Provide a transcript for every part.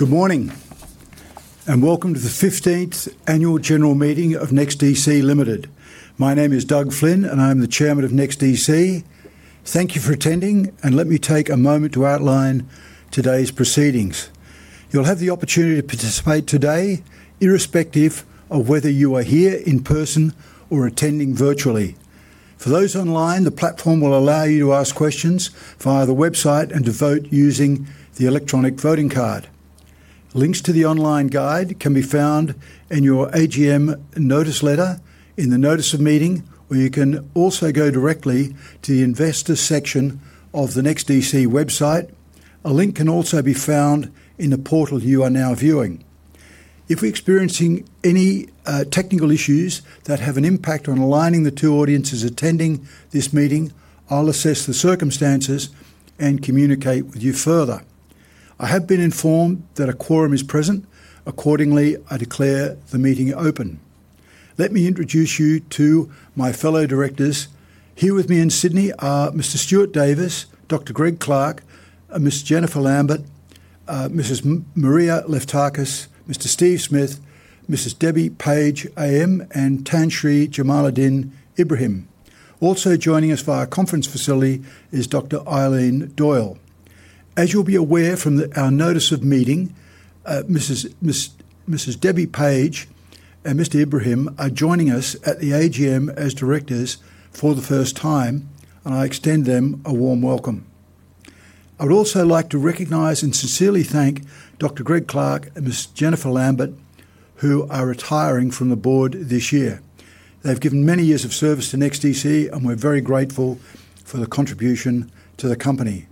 Good morning and welcome to the 15th Annual General Meeting of NEXTDC Limited. My name is Doug Flynn and I'm the Chairman of NEXTDC. Thank you for attending and let me take a moment to outline today's proceedings. You'll have the opportunity to participate today irrespective of whether you are here in person or attending virtually. For those online, the platform will allow you to ask questions via the website and to vote using the electronic voting card. Links to the online guide can be found in your AGM notice letter in the notice of meeting, or you can also go directly to the investor section of the NEXTDC website. A link can also be found in the portal you are now viewing. If we're experiencing any technical issues that have an impact on aligning the two audiences attending this meeting, I'll assess the circumstances and communicate with you further. I have been informed that a quorum is present. Accordingly, I declare the meeting open. Let me introduce you to my fellow directors. Here with me in Sydney are Mr. Stuart Davis, Dr. Greg Clark, Ms. Jennifer Lambert, Mrs. Maria Leftakis, Mr. Steve Smith, Mrs. Debbie Page, AM, and Tuan Sri Jamaludin Ibrahim. Also joining us via conference facility is Dr. Eileen Doyle. As you'll be aware from our notice of meeting, Mrs. Debbie Page and Mr. Ibrahim are joining us at the AGM as directors for the first time, and I extend them a warm welcome. I would also like to recognize and sincerely thank Dr. Greg Clark and Ms. Jennifer Lambert, who are retiring from the board this year. They've given many years of service to NEXTDC and we're very grateful for the contribution to the company.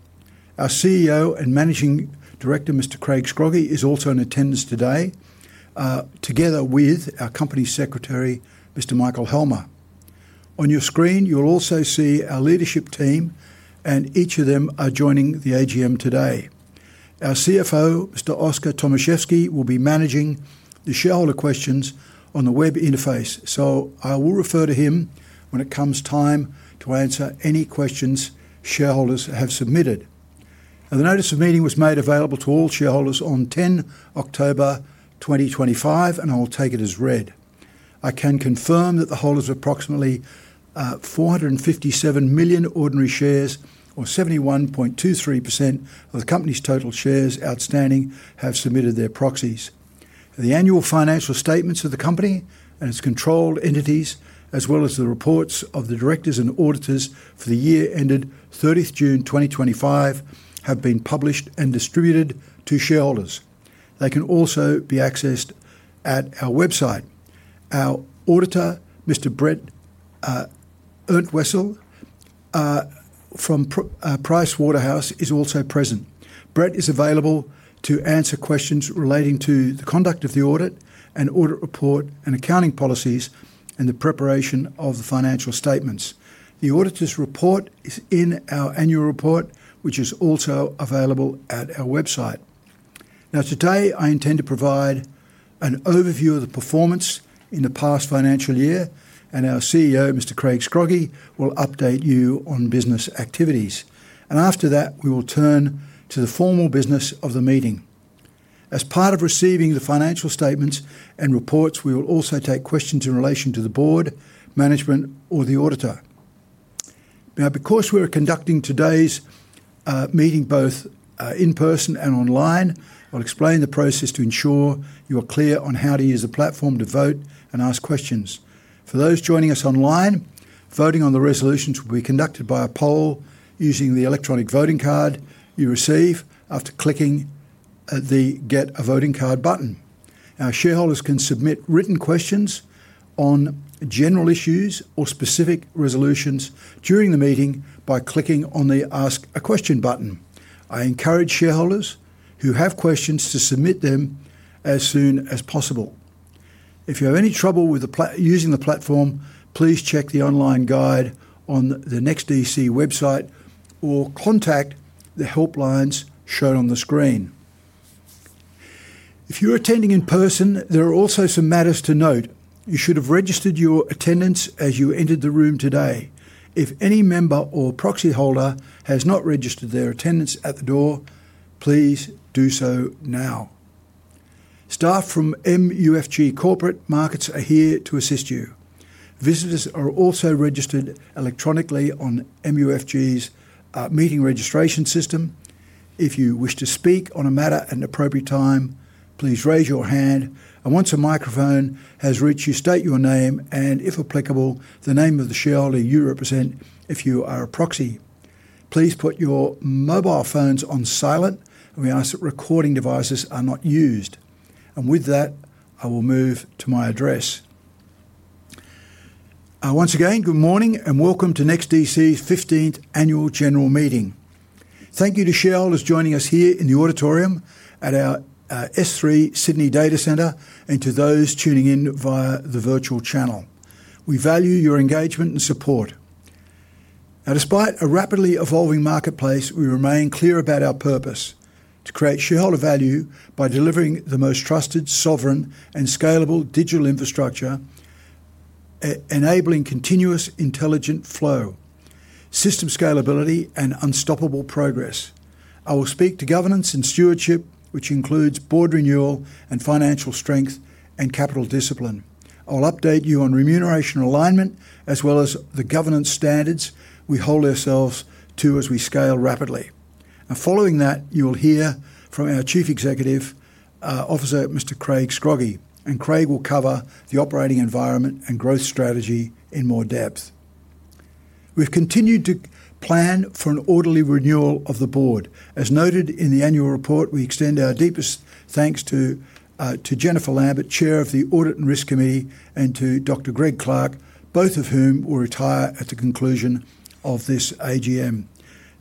Our CEO and Managing Director, Mr. Craig Scroggie is also in attendance today, together with our Company Secretary, Mr. Michael Helmer. On your screen, you'll also see our leadership team, and each of them are joining the AGM today. Our CFO, Mr. Oskar Tomaszewski, will be managing the shareholder questions on the web interface, so I will refer to him when it comes time to answer any questions shareholders have submitted. The notice of meeting was made available to all shareholders on 10 October 2025, and I will take it as read. I can confirm that the holders of approximately 457 million ordinary shares, or 71.23% of the company's total shares outstanding, have submitted their proxies. The annual financial statements of the company and its controlled entities, as well as the reports of the directors and auditors for the year ended 30 June 2025, have been published and distributed to shareholders. They can also be accessed at our website. Our auditor, Mr. Brett Ertushel from PricewaterhouseCoopers, is also present. Brett is available to answer questions relating to the conduct of the audit and audit report and accounting policies and the preparation of the financial statements. The auditor's report is in our annual report, which is also available at our website. Now, today I intend to provide an overview of the performance in the past financial year, and our CEO, Mr. Craig Scroggie, will update you on business activities. After that, we will turn to the formal business of the meeting. As part of receiving the financial statements and reports, we will also take questions in relation to the board, management, or the auditor. Now, because we're conducting today's meeting both in person and online, I'll explain the process to ensure you are clear on how to use the platform to vote and ask questions. For those joining us online, voting on the resolutions will be conducted by a poll using the electronic voting card you receive after clicking the Get a Voting Card button. Our shareholders can submit written questions on general issues or specific resolutions during the meeting by clicking on the Ask a Question button. I encourage shareholders who have questions to submit them as soon as possible. If you have any trouble using the platform, please check the online guide on the NEXTDC website or contact the helplines shown on the screen. If you're attending in person, there are also some matters to note. You should have registered your attendance as you entered the room today. If any member or proxy holder has not registered their attendance at the door, please do so now. Staff from MUFG Corporate Markets are here to assist you. Visitors are also registered electronically on MUFG's meeting registration system. If you wish to speak on a matter at an appropriate time, please raise your hand. Once a microphone has reached you, state your name and, if applicable, the name of the shareholder you represent if you are a proxy. Please put your mobile phones on silent and we ask that recording devices are not used. With that, I will move to my address. Once again, good morning and welcome to NEXTDC's 15th Annual General Meeting. Thank you to shareholders joining us here in the auditorium at our S3 Sydney data center and to those tuning in via the virtual channel. We value your engagement and support. Now, despite a rapidly evolving marketplace, we remain clear about our purpose: to create shareholder value by delivering the most trusted, sovereign, and scalable digital infrastructure, enabling continuous intelligent flow, system scalability, and unstoppable progress. I will speak to governance and stewardship, which includes board renewal and financial strength and capital discipline. I'll update you on remuneration alignment as well as the governance standards we hold ourselves to as we scale rapidly. Following that, you will hear from our Chief Executive Officer, Mr. Craig Scroggie, and Craig will cover the operating environment and growth strategy in more depth. We've continued to plan for an orderly renewal of the board. As noted in the annual report, we extend our deepest thanks to Jennifer Lambert, Chair of the Audit and Risk Committee, and to Dr. Greg Clark, both of whom will retire at the conclusion of this AGM.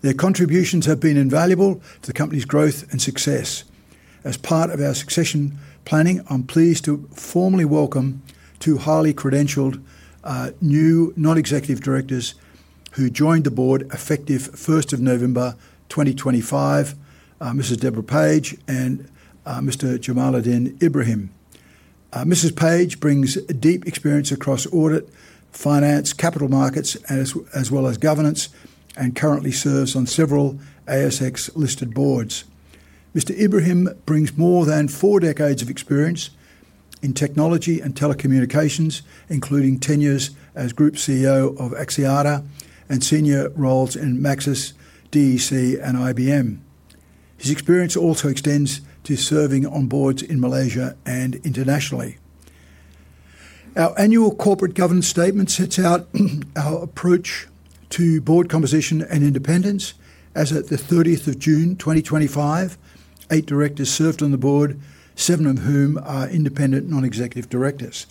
Their contributions have been invaluable to the company's growth and success. As part of our succession planning, I'm pleased to formally welcome two highly credentialed new non-executive directors who joined the board effective 1 November 2025, Mrs. Deborah Page and Mr. Jamaludin Ibrahim. Mrs. Page brings deep experience across audit, finance, capital markets, as well as governance, and currently serves on several ASX-listed boards. Mr. Ibrahim brings more than four decades of experience in technology and telecommunications. Including tenures as Group CEO of Axiata and senior roles in Maxis, DEC, and IBM. His experience also extends to serving on boards in Malaysia and internationally. Our annual corporate governance statement sets out our approach to board composition and independence. As of 30 June 2025, eight directors served on the board, seven of whom are independent non-executive directors.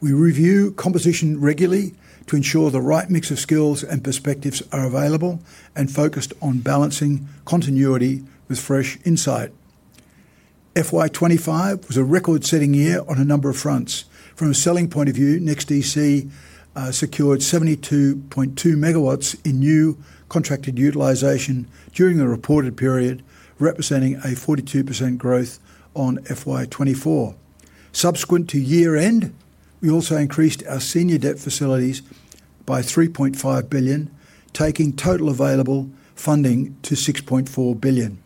We review composition regularly to ensure the right mix of skills and perspectives are available and focused on balancing continuity with fresh insight. FY 2025 was a record-setting year on a number of fronts. From a selling point of view, NEXTDC secured 72.2 MW in new contracted utilization during a reported period, representing a 42% growth on FY 2024. Subsequent to year-end, we also increased our senior debt facilities by 3.5 billion, taking total available funding to 6.4 billion.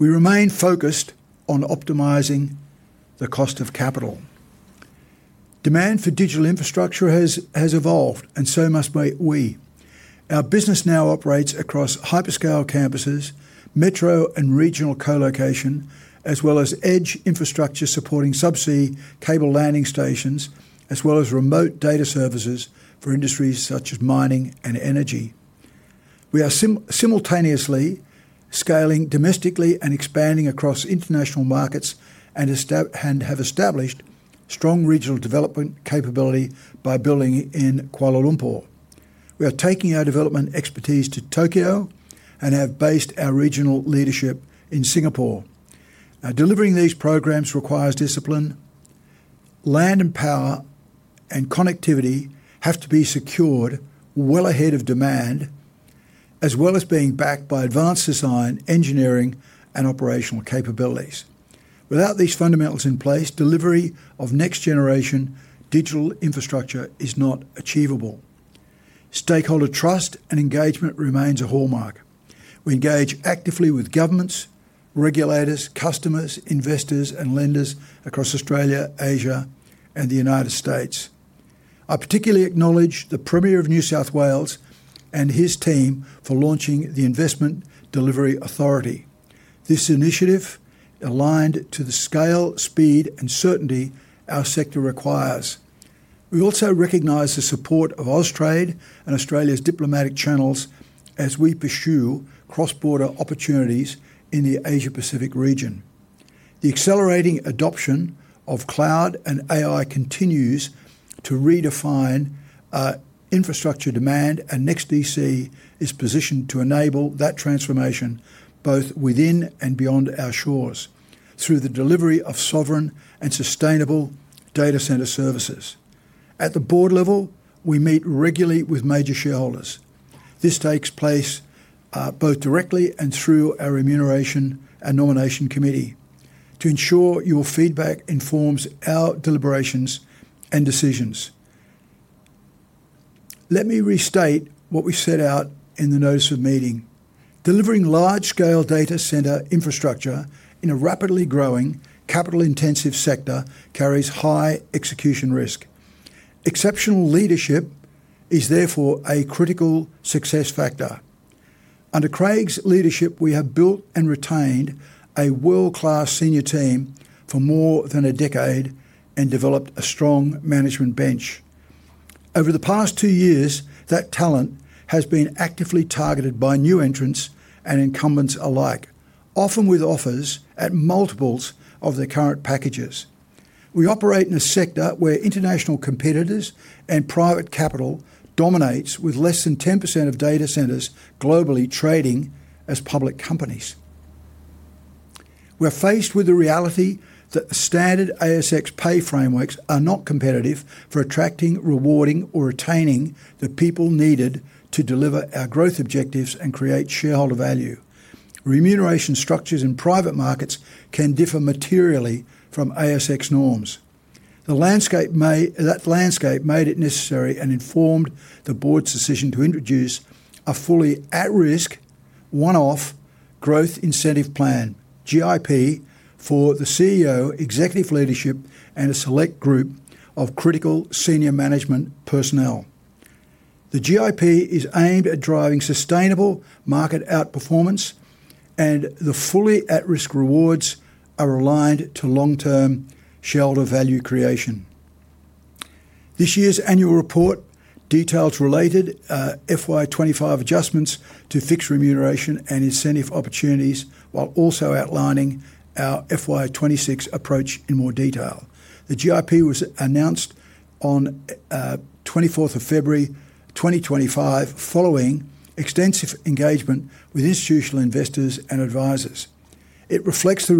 We remain focused on optimizing the cost of capital. Demand for digital infrastructure has evolved, and so must we. Our business now operates across hyperscale campuses, metro and regional colocation, as well as edge infrastructure supporting subsea cable landing stations, as well as remote data services for industries such as mining and energy. We are simultaneously scaling domestically and expanding across international markets and have established strong regional development capability by building in Kuala Lumpur. We are taking our development expertise to Tokyo and have based our regional leadership in Singapore. Now, delivering these programs requires discipline. Land and power and connectivity have to be secured well ahead of demand, as well as being backed by advanced design, engineering, and operational capabilities. Without these fundamentals in place, delivery of next-generation digital infrastructure is not achievable. Stakeholder trust and engagement remains a hallmark. We engage actively with governments, regulators, customers, investors, and lenders across Australia, Asia, and the United States. I particularly acknowledge the Premier of New South Wales and his team for launching the Investment Delivery Authority. This initiative aligned to the scale, speed, and certainty our sector requires. We also recognize the support of Austrade and Australia's diplomatic channels as we pursue cross-border opportunities in the Asia-Pacific region. The accelerating adoption of cloud and AI continues to redefine infrastructure demand, and NEXTDC is positioned to enable that transformation both within and beyond our shores through the delivery of sovereign and sustainable data center services. At the board level, we meet regularly with major shareholders. This takes place both directly and through our remuneration and nomination committee to ensure your feedback informs our deliberations and decisions. Let me restate what we set out in the notice of meeting. Delivering large-scale data center infrastructure in a rapidly growing, capital-intensive sector carries high execution risk. Exceptional leadership is therefore a critical success factor. Under Craig's leadership, we have built and retained a world-class senior team for more than a decade and developed a strong management bench. Over the past two years, that talent has been actively targeted by new entrants and incumbents alike, often with offers at multiples of the current packages. We operate in a sector where international competitors and private capital dominate, with less than 10% of data centers globally trading as public companies. We're faced with the reality that the standard ASX pay frameworks are not competitive for attracting, rewarding, or retaining the people needed to deliver our growth objectives and create shareholder value. Remuneration structures in private markets can differ materially from ASX norms. That landscape made it necessary and informed the board's decision to introduce a fully at-risk, one-off growth incentive plan, GIP, for the CEO, executive leadership, and a select group of critical senior management personnel. The GIP is aimed at driving sustainable market outperformance, and the fully at-risk rewards are aligned to long-term shareholder value creation. This year's annual report details related FY 2025 adjustments to fixed remuneration and incentive opportunities, while also outlining our FY 2026 approach in more detail. The GIP was announced on 24 February 2025, following extensive engagement with institutional investors and advisors. It reflects the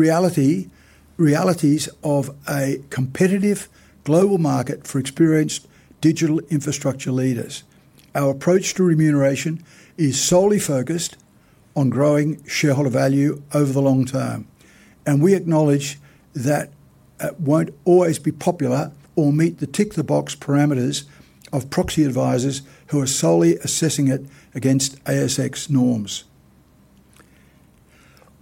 realities of a competitive global market for experienced digital infrastructure leaders. Our approach to remuneration is solely focused on growing shareholder value over the long term, and we acknowledge that it won't always be popular or meet the tick-the-box parameters of proxy advisors who are solely assessing it against ASX norms.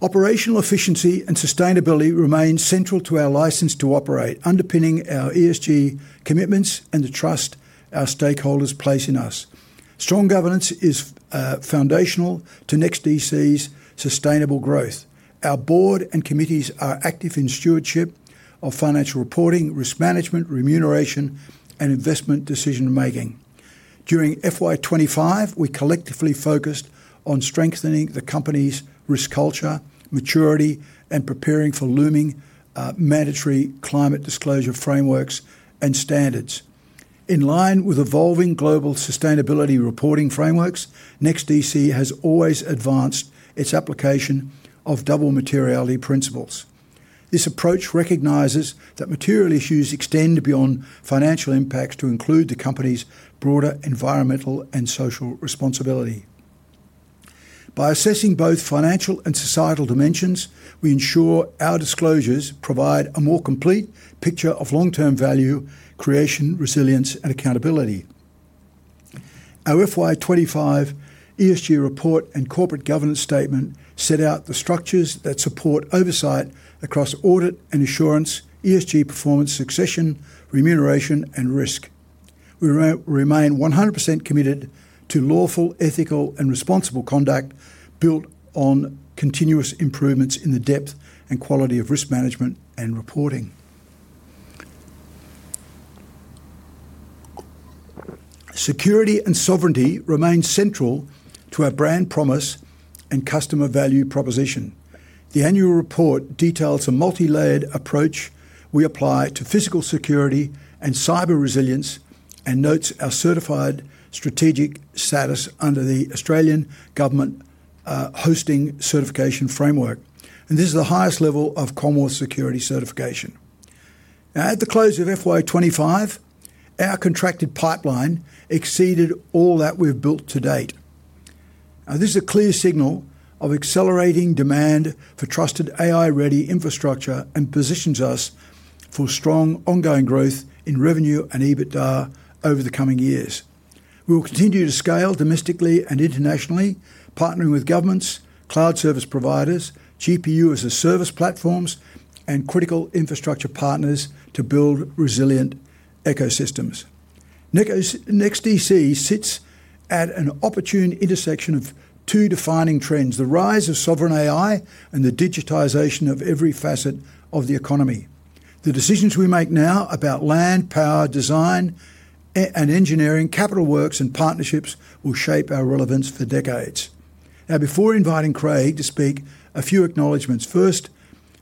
Operational efficiency and sustainability remain central to our license to operate, underpinning our ESG commitments and the trust our stakeholders place in us. Strong governance is foundational to NEXTDC's sustainable growth. Our board and committees are active in stewardship of financial reporting, risk management, remuneration, and investment decision-making. During FY 2025, we collectively focused on strengthening the company's risk culture, maturity, and preparing for looming mandatory climate disclosure frameworks and standards. In line with evolving global sustainability reporting frameworks, NEXTDC has always advanced its application of double materiality principles. This approach recognizes that material issues extend beyond financial impacts to include the company's broader environmental and social responsibility. By assessing both financial and societal dimensions, we ensure our disclosures provide a more complete picture of long-term value creation, resilience, and accountability. Our FY 2025 ESG report and corporate governance statement set out the structures that support oversight across audit and assurance, ESG performance, succession, remuneration, and risk. We remain 100% committed to lawful, ethical, and responsible conduct built on continuous improvements in the depth and quality of risk management and reporting. Security and sovereignty remain central to our brand promise and customer value proposition. The annual report details a multi-layered approach we apply to physical security and cyber resilience and notes our certified strategic status under the Australian Government Hosting Certification Framework. This is the highest level of Commonwealth security certification. At the close of FY 2025, our contracted pipeline exceeded all that we've built to date. This is a clear signal of accelerating demand for trusted AI-ready infrastructure and positions us for strong ongoing growth in revenue and EBITDA over the coming years. We will continue to scale domestically and internationally, partnering with governments, cloud service providers, GPU as a service platforms, and critical infrastructure partners to build resilient ecosystems. NEXTDC sits at an opportune intersection of two defining trends: the rise of sovereign AI and the digitization of every facet of the economy. The decisions we make now about land, power, design, and engineering, capital works, and partnerships will shape our relevance for decades. Now, before inviting Craig to speak, a few acknowledgments. First,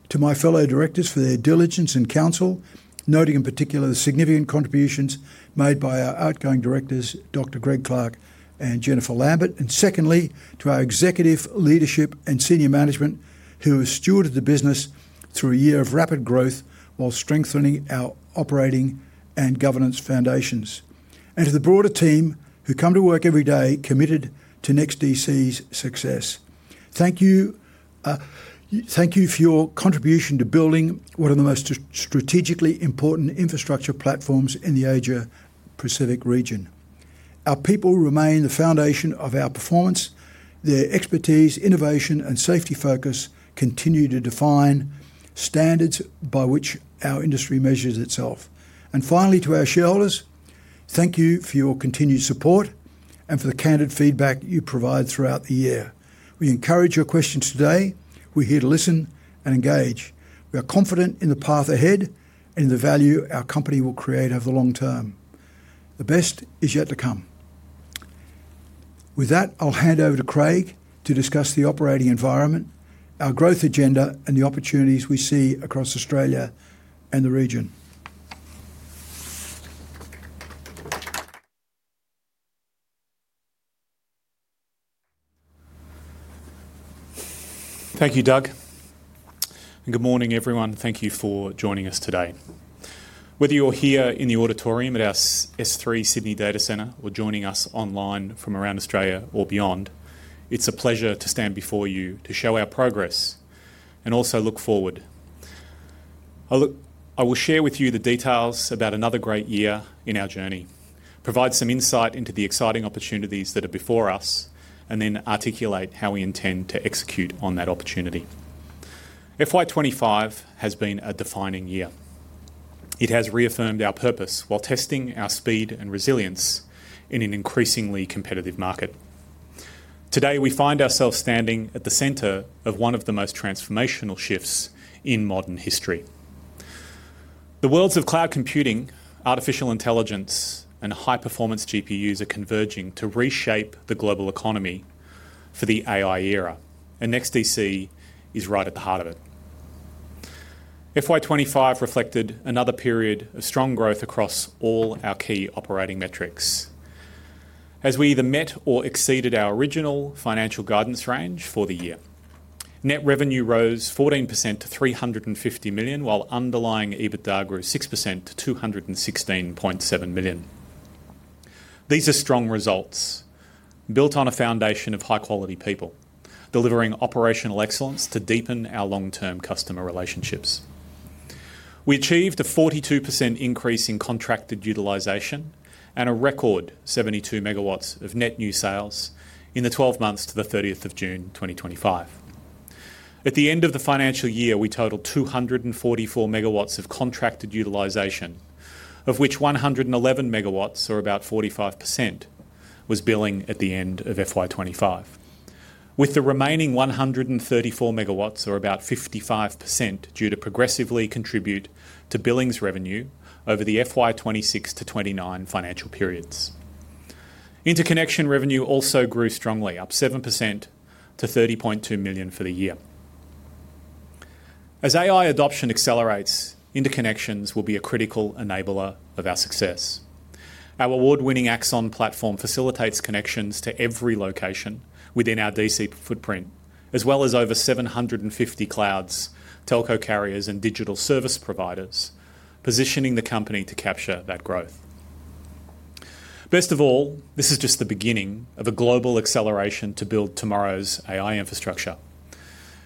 to my fellow directors for their diligence and counsel, noting in particular the significant contributions made by our outgoing directors, Dr. Greg Clark and Jennifer Lambert. Secondly, to our executive leadership and senior management, who have stewarded the business through a year of rapid growth while strengthening our operating and governance foundations. To the broader team who come to work every day committed to NEXTDC's success. Thank you for your contribution to building one of the most strategically important infrastructure platforms in the Asia-Pacific region. Our people remain the foundation of our performance. Their expertise, innovation, and safety focus continue to define standards by which our industry measures itself. Finally, to our shareholders, thank you for your continued support and for the candid feedback you provide throughout the year. We encourage your questions today. We're here to listen and engage. We are confident in the path ahead and the value our company will create over the long term. The best is yet to come. With that, I'll hand over to Craig to discuss the operating environment, our growth agenda, and the opportunities we see across Australia and the region. Thank you, Doug. Good morning, everyone. Thank you for joining us today. Whether you're here in the auditorium at our S3 Sydney data center or joining us online from around Australia or beyond, it's a pleasure to stand before you to show our progress and also look forward. I will share with you the details about another great year in our journey, provide some insight into the exciting opportunities that are before us, and then articulate how we intend to execute on that opportunity. FY 2025 has been a defining year. It has reaffirmed our purpose while testing our speed and resilience in an increasingly competitive market. Today, we find ourselves standing at the center of one of the most transformational shifts in modern history. The worlds of cloud computing, artificial intelligence, and high-performance GPUs are converging to reshape the global economy for the AI era, and NEXTDC is right at the heart of it. FY 2025 reflected another period of strong growth across all our key operating metrics as we either met or exceeded our original financial guidance range for the year. Net revenue rose 14% to 350 million, while underlying EBITDA grew 6% to 216.7 million. These are strong results built on a foundation of high-quality people delivering operational excellence to deepen our long-term customer relationships. We achieved a 42% increase in contracted utilization and a record 72 MW of net new sales in the 12 months to the 30th of June 2025. At the end of the financial year, we totaled 244 MW of contracted utilization, of which 111 MW, or about 45%, was billing at the end of FY 2025, with the remaining 134 MW, or about 55%, due to progressively contribute to billing's revenue over the FY 2026-2029 financial periods. Interconnection revenue also grew strongly, up 7% to 30.2 million for the year. As AI adoption accelerates, interconnections will be a critical enabler of our success. Our award-winning Axon platform facilitates connections to every location within our DC footprint, as well as over 750 clouds, telco carriers, and digital service providers, positioning the company to capture that growth. Best of all, this is just the beginning of a global acceleration to build tomorrow's AI infrastructure.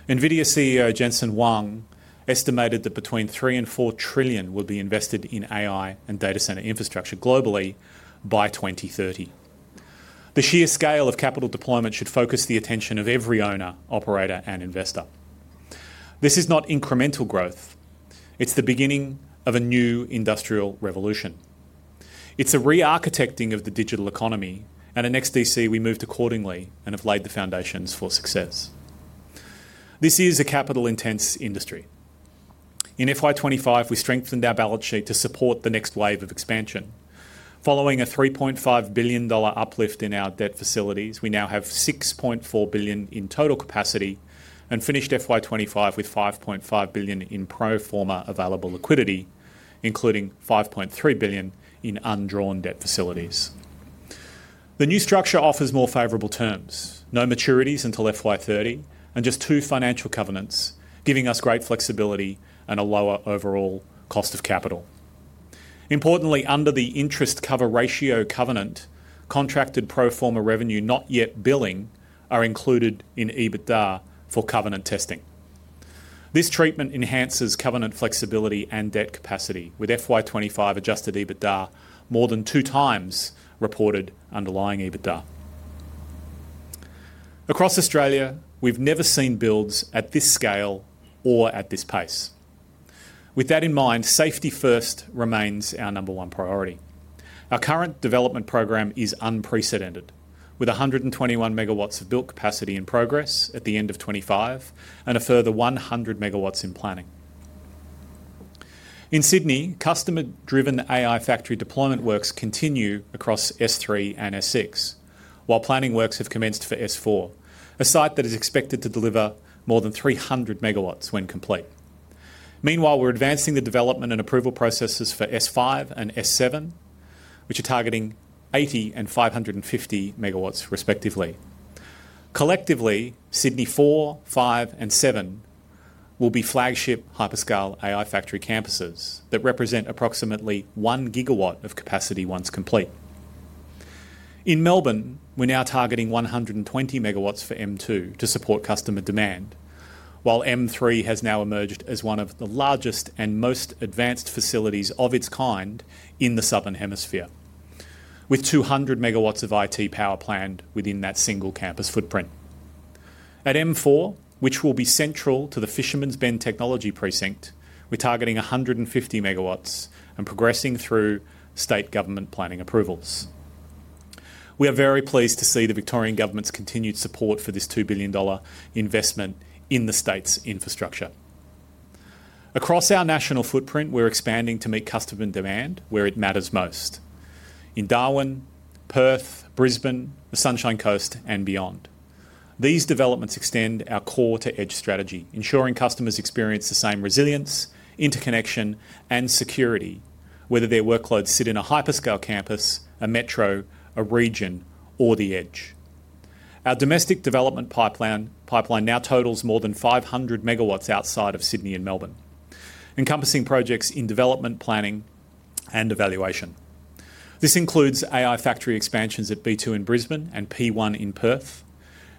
NVIDIA CEO Jensen Huang estimated that between three and four trillion would be invested in AI and data center infrastructure globally by 2030. The sheer scale of capital deployment should focus the attention of every owner, operator, and investor. This is not incremental growth. It's the beginning of a new industrial revolution. It's a re-architecting of the digital economy, and at NEXTDC, we moved accordingly and have laid the foundations for success. This is a capital-intense industry. In FY 2025, we strengthened our balance sheet to support the next wave of expansion. Following a $3.5 billion uplift in our debt facilities, we now have $6.4 billion in total capacity and finished FY 2025 with $5.5 billion in pro forma available liquidity, including $5.3 billion in undrawn debt facilities. The new structure offers more favorable terms: no maturities until FY 2030 and just two financial covenants, giving us great flexibility and a lower overall cost of capital. Importantly, under the interest cover ratio covenant, contracted pro forma revenue not yet billing are included in EBITDA for covenant testing. This treatment enhances covenant flexibility and debt capacity, with FY 2025 adjusted EBITDA more than two times reported underlying EBITDA. Across Australia, we've never seen builds at this scale or at this pace. With that in mind, safety first remains our number one priority. Our current development program is unprecedented, with 121 MW of built capacity in progress at the end of 2025 and a further 100 MW in planning. In Sydney, customer-driven AI factory deployment works continue across S3 and S6, while planning works have commenced for S4, a site that is expected to deliver more than 300 MW when complete. Meanwhile, we're advancing the development and approval processes for S5 and S7, which are targeting 80 and 550 MW, respectively. Collectively, Sydney 4, 5, and 7 will be flagship hyperscale AI factory campuses that represent approximately one gigawatt of capacity once complete. In Melbourne, we're now targeting 120 MW for M2 to support customer demand, while M3 has now emerged as one of the largest and most advanced facilities of its kind in the southern hemisphere, with 200 MW of IT power planned within that single campus footprint. At M4, which will be central to the Fisherman's Bend Technology Precinct, we're targeting 150 MW and progressing through state government planning approvals. We are very pleased to see the Victorian government's continued support for this 2 billion dollar investment in the state's infrastructure. Across our national footprint, we're expanding to meet customer demand where it matters most: in Darwin, Perth, Brisbane, the Sunshine Coast, and beyond. These developments extend our core-to-edge strategy, ensuring customers experience the same resilience, interconnection, and security, whether their workloads sit in a hyperscale campus, a metro, a region, or the edge. Our domestic development pipeline now totals more than 500 MW outside of Sydney and Melbourne, encompassing projects in development, planning, and evaluation. This includes AI factory expansions at B2 in Brisbane and P1 in Perth,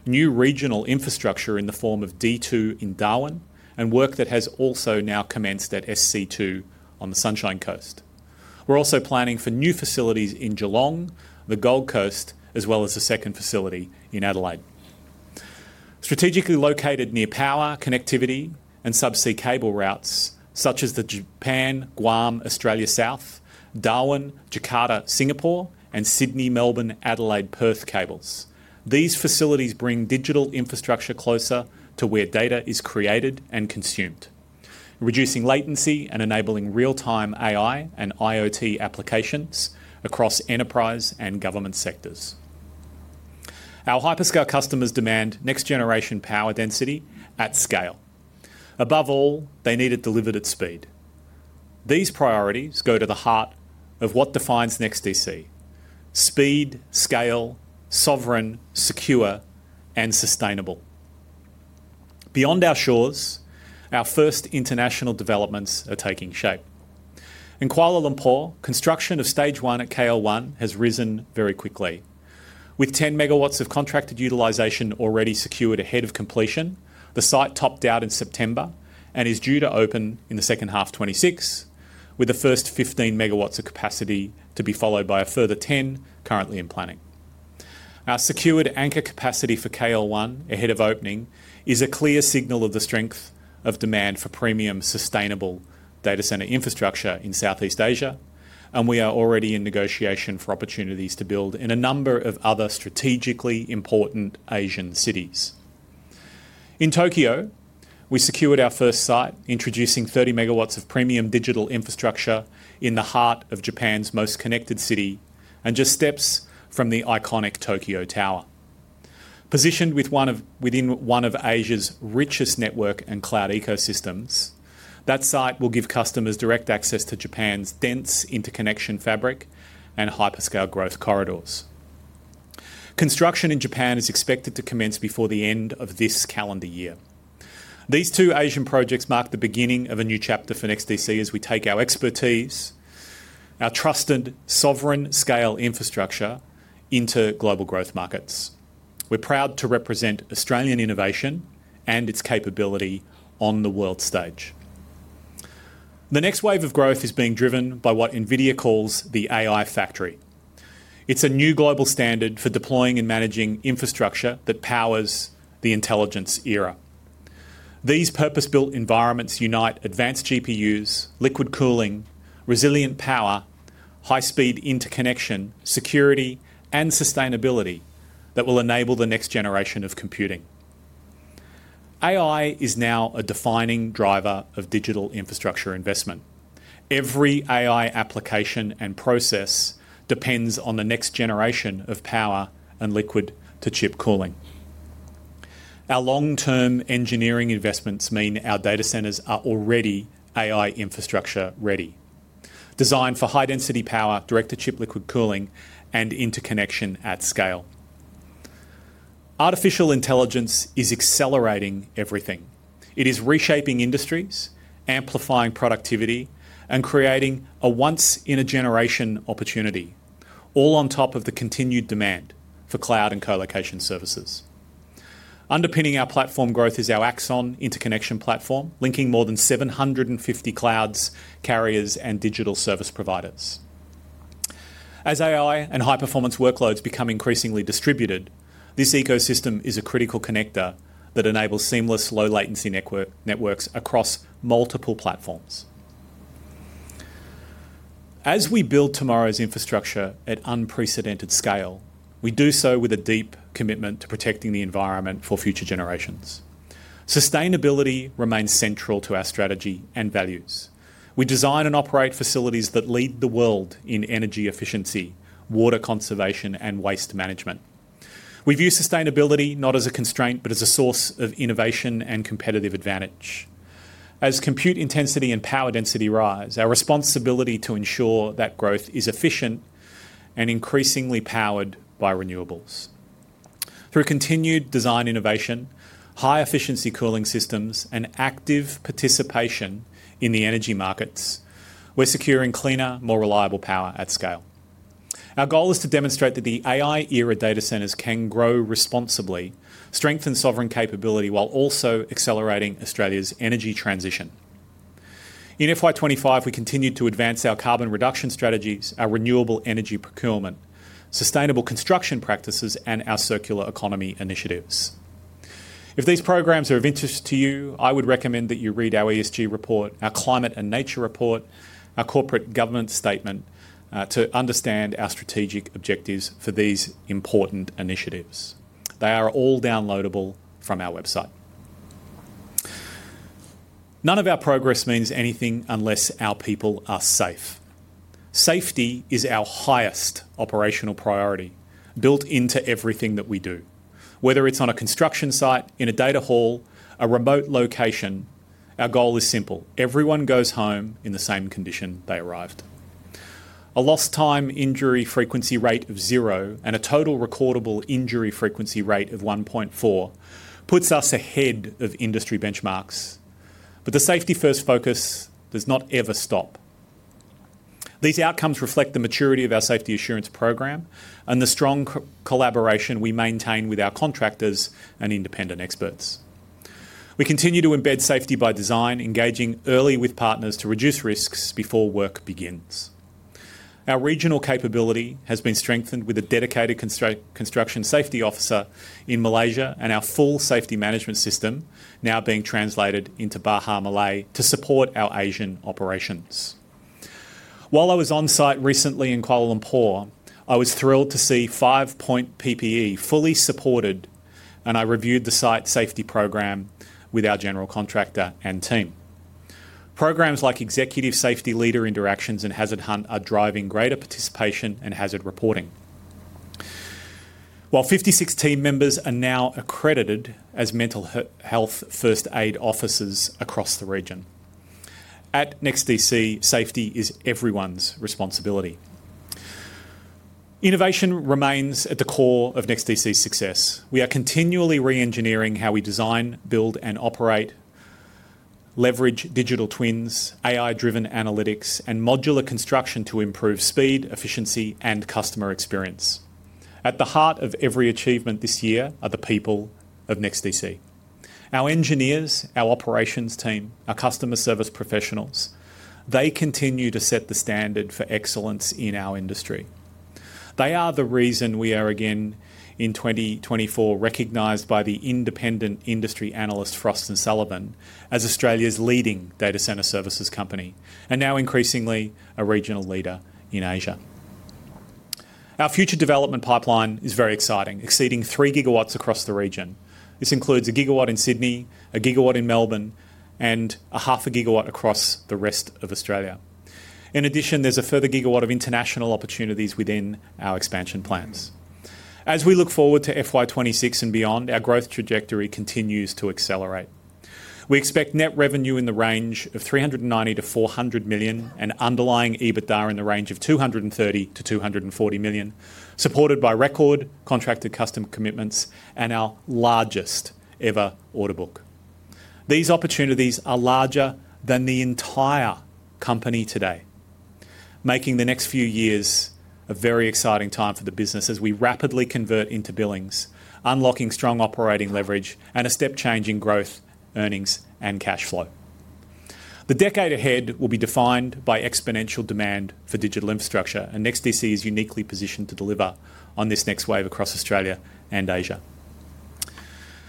new regional infrastructure in the form of D2 in Darwin, and work that has also now commenced at SC2 on the Sunshine Coast. We're also planning for new facilities in Geelong, the Gold Coast, as well as a second facility in Adelaide. Strategically located near power, connectivity, and subsea cable routes, such as the Japan, Guam, Australia South, Darwin, Jakarta, Singapore, and Sydney, Melbourne, Adelaide, Perth cables, these facilities bring digital infrastructure closer to where data is created and consumed, reducing latency and enabling real-time AI and IoT applications across enterprise and government sectors. Our hyperscale customers demand next-generation power density at scale. Above all, they need it delivered at speed. These priorities go to the heart of what defines NEXTDC: speed, scale, sovereign, secure, and sustainable. Beyond our shores, our first international developments are taking shape. In Kuala Lumpur, construction of stage one at KL1 has risen very quickly, with 10 MW of contracted utilization already secured ahead of completion. The site topped out in September and is due to open in the second half of 2026, with the first 15 MW of capacity to be followed by a further 10 currently in planning. Our secured anchor capacity for KL1 ahead of opening is a clear signal of the strength of demand for premium sustainable data center infrastructure in Southeast Asia, and we are already in negotiation for opportunities to build in a number of other strategically important Asian cities. In Tokyo, we secured our first site, introducing 30 MW of premium digital infrastructure in the heart of Japan's most connected city and just steps from the iconic Tokyo Tower. Positioned within one of Asia's richest network and cloud ecosystems, that site will give customers direct access to Japan's dense interconnection fabric and hyperscale growth corridors. Construction in Japan is expected to commence before the end of this calendar year. These two Asian projects mark the beginning of a new chapter for NEXTDC as we take our expertise, our trusted sovereign-scale infrastructure into global growth markets. We're proud to represent Australian innovation and its capability on the world stage. The next wave of growth is being driven by what NVIDIA calls the AI factory. It's a new global standard for deploying and managing infrastructure that powers the intelligence era. These purpose-built environments unite advanced GPUs, liquid cooling, resilient power, high-speed interconnection, security, and sustainability that will enable the next generation of computing. AI is now a defining driver of digital infrastructure investment. Every AI application and process depends on the next generation of power and liquid-to-chip cooling. Our long-term engineering investments mean our data centers are already AI infrastructure-ready, designed for high-density power, direct-to-chip liquid cooling, and interconnection at scale. Artificial intelligence is accelerating everything. It is reshaping industries, amplifying productivity, and creating a once-in-a-generation opportunity, all on top of the continued demand for cloud and colocation services. Underpinning our platform growth is our Axon interconnection platform, linking more than 750 clouds, carriers, and digital service providers. As AI and high-performance workloads become increasingly distributed, this ecosystem is a critical connector that enables seamless low-latency networks across multiple platforms. As we build tomorrow's infrastructure at unprecedented scale, we do so with a deep commitment to protecting the environment for future generations. Sustainability remains central to our strategy and values. We design and operate facilities that lead the world in energy efficiency, water conservation, and waste management. We view sustainability not as a constraint, but as a source of innovation and competitive advantage. As compute intensity and power density rise, our responsibility is to ensure that growth is efficient and increasingly powered by renewables. Through continued design innovation, high-efficiency cooling systems, and active participation in the energy markets, we're securing cleaner, more reliable power at scale. Our goal is to demonstrate that the AI era data centers can grow responsibly, strengthen sovereign capability, while also accelerating Australia's energy transition. In FY 2025, we continue to advance our carbon reduction strategies, our renewable energy procurement, sustainable construction practices, and our circular economy initiatives. If these programs are of interest to you, I would recommend that you read our ESG report, our climate and nature report, our corporate governance statement to understand our strategic objectives for these important initiatives. They are all downloadable from our website. None of our progress means anything unless our people are safe. Safety is our highest operational priority built into everything that we do. Whether it's on a construction site, in a data hall, or a remote location, our goal is simple: everyone goes home in the same condition they arrived. A lost-time injury frequency rate of zero and a total recordable injury frequency rate of 1.4 puts us ahead of industry benchmarks, but the safety-first focus does not ever stop. These outcomes reflect the maturity of our safety assurance program and the strong collaboration we maintain with our contractors and independent experts. We continue to embed safety by design, engaging early with partners to reduce risks before work begins. Our regional capability has been strengthened with a dedicated construction safety officer in Malaysia and our full safety management system now being translated into Bahasa Malay to support our Asian operations. While I was on site recently in Kuala Lumpur, I was thrilled to see 5-Point PPE fully supported, and I reviewed the site safety program with our general contractor and team. Programs like Executive Safety Leader Interactions and Hazard Hunt are driving greater participation and hazard reporting, while 56 team members are now accredited as mental health first aid officers across the region. At NEXTDC, safety is everyone's responsibility. Innovation remains at the core of NEXTDC's success. We are continually re-engineering how we design, build, and operate, leveraging digital twins, AI-driven analytics, and modular construction to improve speed, efficiency, and customer experience. At the heart of every achievement this year are the people of NEXTDC: our engineers, our operations team, our customer service professionals. They continue to set the standard for excellence in our industry. They are the reason we are again, in 2024, recognized by the independent industry analyst, Frost & Sullivan, as Australia's leading data center services company and now increasingly a regional leader in Asia. Our future development pipeline is very exciting, exceeding 3 GW across the region. This includes 1 GW in Sydney, 1 GW in Melbourne, and 0.5 GW across the rest of Australia. In addition, there is a further 1 GW of international opportunities within our expansion plans. As we look forward to FY 2026 and beyond, our growth trajectory continues to accelerate. We expect net revenue in the range of 390 to 400 million and underlying EBITDA in the range of 230 to 240 million, supported by record contracted customer commitments and our largest ever order book. These opportunities are larger than the entire company today, making the next few years a very exciting time for the business as we rapidly convert into billings, unlocking strong operating leverage and a step-changing growth, earnings, and cash flow. The decade ahead will be defined by exponential demand for digital infrastructure, and NEXTDC is uniquely positioned to deliver on this next wave across Australia and Asia.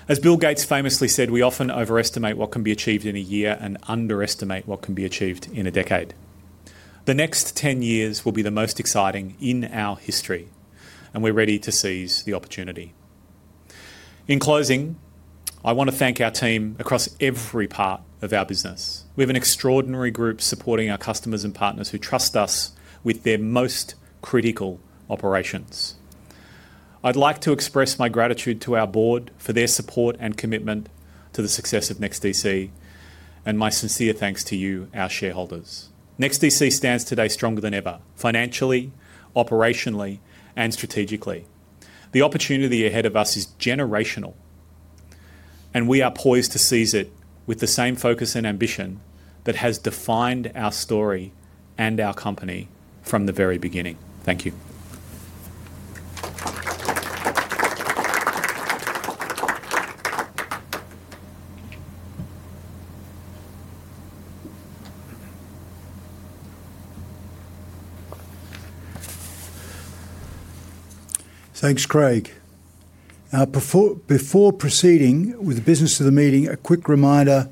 As Bill Gates famously said, we often overestimate what can be achieved in a year and underestimate what can be achieved in a decade. The next 10 years will be the most exciting in our history, and we're ready to seize the opportunity. In closing, I want to thank our team across every part of our business. We have an extraordinary group supporting our customers and partners who trust us with their most critical operations. I'd like to express my gratitude to our board for their support and commitment to the success of NEXTDC, and my sincere thanks to you, our shareholders. NEXTDC stands today stronger than ever, financially, operationally, and strategically. The opportunity ahead of us is generational, and we are poised to seize it with the same focus and ambition that has defined our story and our company from the very beginning. Thank you. Thanks, Craig. Before proceeding with the business of the meeting, a quick reminder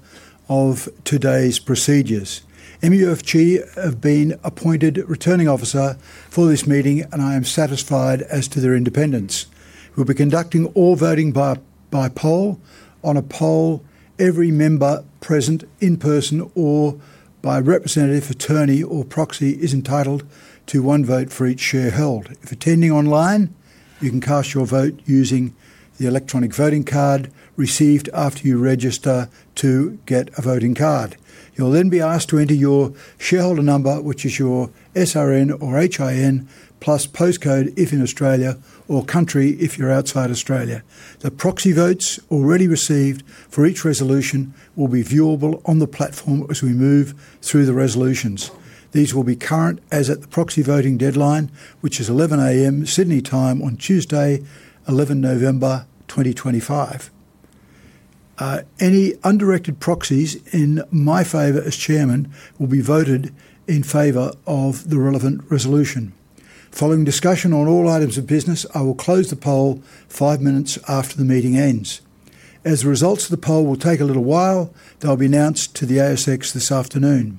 of today's procedures. MUFG have been appointed returning officer for this meeting, and I am satisfied as to their independence. We'll be conducting all voting by poll on a poll. Every member present in person or by representative, attorney, or proxy is entitled to one vote for each shareholder. If attending online, you can cast your vote using the electronic voting card received after you register to get a voting card. You'll then be asked to enter your shareholder number, which is your SRN or HIN, plus postcode if in Australia or country if you're outside Australia. The proxy votes already received for each resolution will be viewable on the platform as we move through the resolutions. These will be current as at the proxy voting deadline, which is 11:00AM Sydney time on Tuesday, 11 November 2025. Any undirected proxies in my favor as Chairman will be voted in favor of the relevant resolution. Following discussion on all items of business, I will close the poll five minutes after the meeting ends. As the results of the poll will take a little while, they'll be announced to the ASX this afternoon.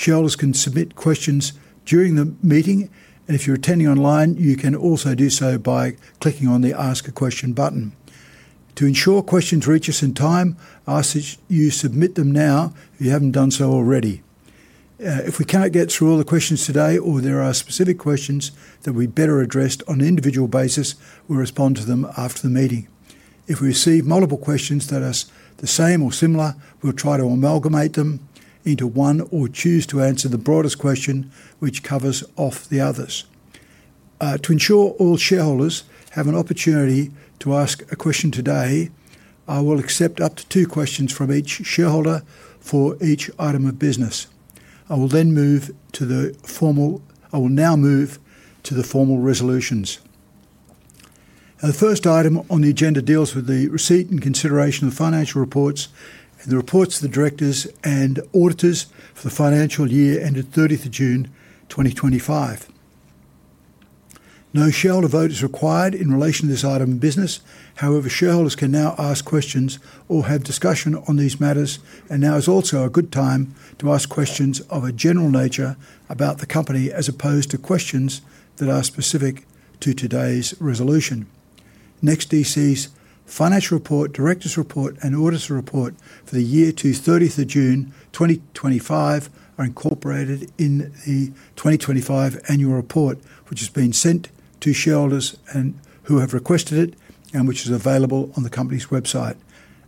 Shareholders can submit questions during the meeting, and if you're attending online, you can also do so by clicking on the Ask a Question button. To ensure questions reach us in time, I ask that you submit them now if you haven't done so already. If we cannot get through all the questions today or there are specific questions that we better address on an individual basis, we'll respond to them after the meeting. If we receive multiple questions that are the same or similar, we'll try to amalgamate them into one or choose to answer the broadest question, which covers off the others. To ensure all shareholders have an opportunity to ask a question today, I will accept up to two questions from each shareholder for each item of business. I will now move to the formal resolutions. The first item on the agenda deals with the receipt and consideration of the financial reports and the reports of the directors and auditors for the financial year ended 30th of June 2025. No shareholder vote is required in relation to this item of business. However, shareholders can now ask questions or have discussion on these matters, and now is also a good time to ask questions of a general nature about the company as opposed to questions that are specific to today's resolution. NEXTDC's financial report, directors' report, and auditor report for the year to 30th of June 2025 are incorporated in the 2025 annual report, which has been sent to shareholders who have requested it and which is available on the company's website.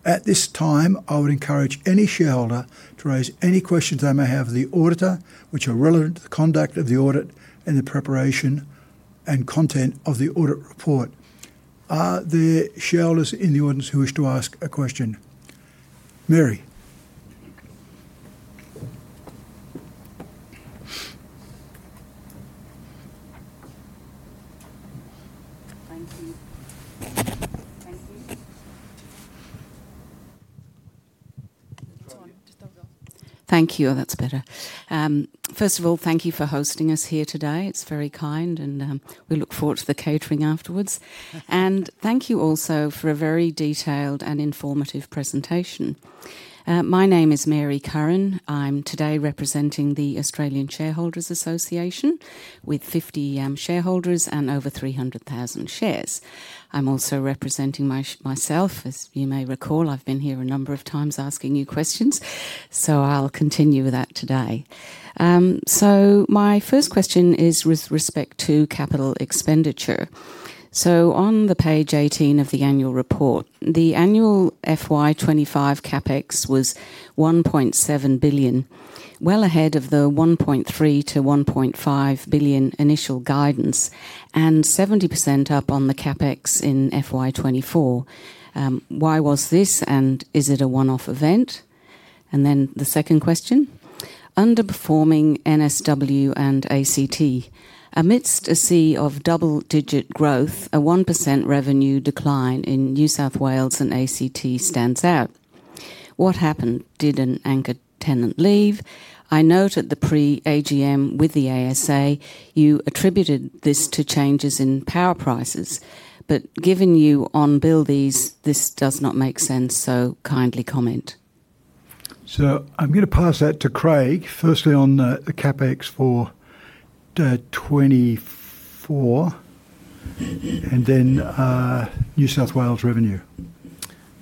At this time, I would encourage any shareholder to raise any questions they may have of the auditor, which are relevant to the conduct of the audit and the preparation and content of the audit report. Are there shareholders in the audience who wish to ask a question? Mary. Thank you. That's better. First of all, thank you for hosting us here today. It's very kind, and we look forward to the catering afterwards. Thank you also for a very detailed and informative presentation. My name is Mary Curran. I'm today representing the Australian Shareholders Association with 50 shareholders and over 300,000 shares. I'm also representing myself. As you may recall, I've been here a number of times asking you questions, so I'll continue with that today. My first question is with respect to capital expenditure. On page 18 of the annual report, the annual FY 2025 CapEx was 1.7 billion, well ahead of the 1.3 to 1.5 billion initial guidance and 70% up on the CapEx in FY 2024. Why was this, and is it a one-off event? The second question, underperforming NSW and ACT. Amidst a sea of double-digit growth, a 1% revenue decline in New South Wales and ACT stands out. What happened? Did an anchor tenant leave? I note at the pre-AGM with the ASA, you attributed this to changes in power prices, but given you on Bill, this does not make sense, so kindly comment. I'm going to pass that to Craig, firstly on the CapEx for 24 and then New South Wales revenue.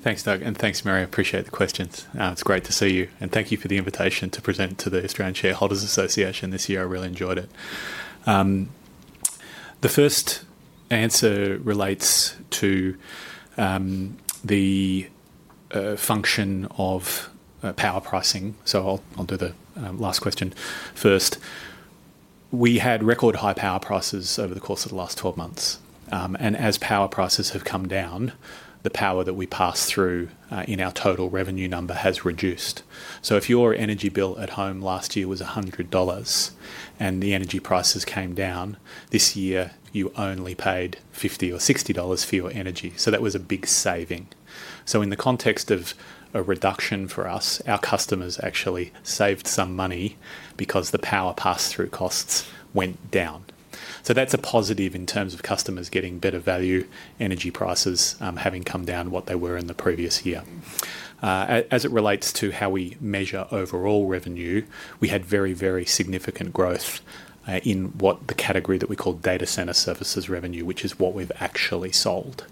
Thanks, Doug, and thanks, Mary. I appreciate the questions. It's great to see you, and thank you for the invitation to present to the Australian Shareholders Association this year. I really enjoyed it. The first answer relates to the function of power pricing, so I'll do the last question first. We had record high power prices over the course of the last 12 months, and as power prices have come down, the power that we pass through in our total revenue number has reduced. If your energy bill at home last year was $100 and the energy prices came down, this year you only paid $50 or $60 for your energy, so that was a big saving. In the context of a reduction for us, our customers actually saved some money because the power pass-through costs went down. That's a positive in terms of customers getting better value, energy prices having come down from what they were in the previous year. As it relates to how we measure overall revenue, we had very, very significant growth in the category that we call data center services revenue, which is what we've actually sold.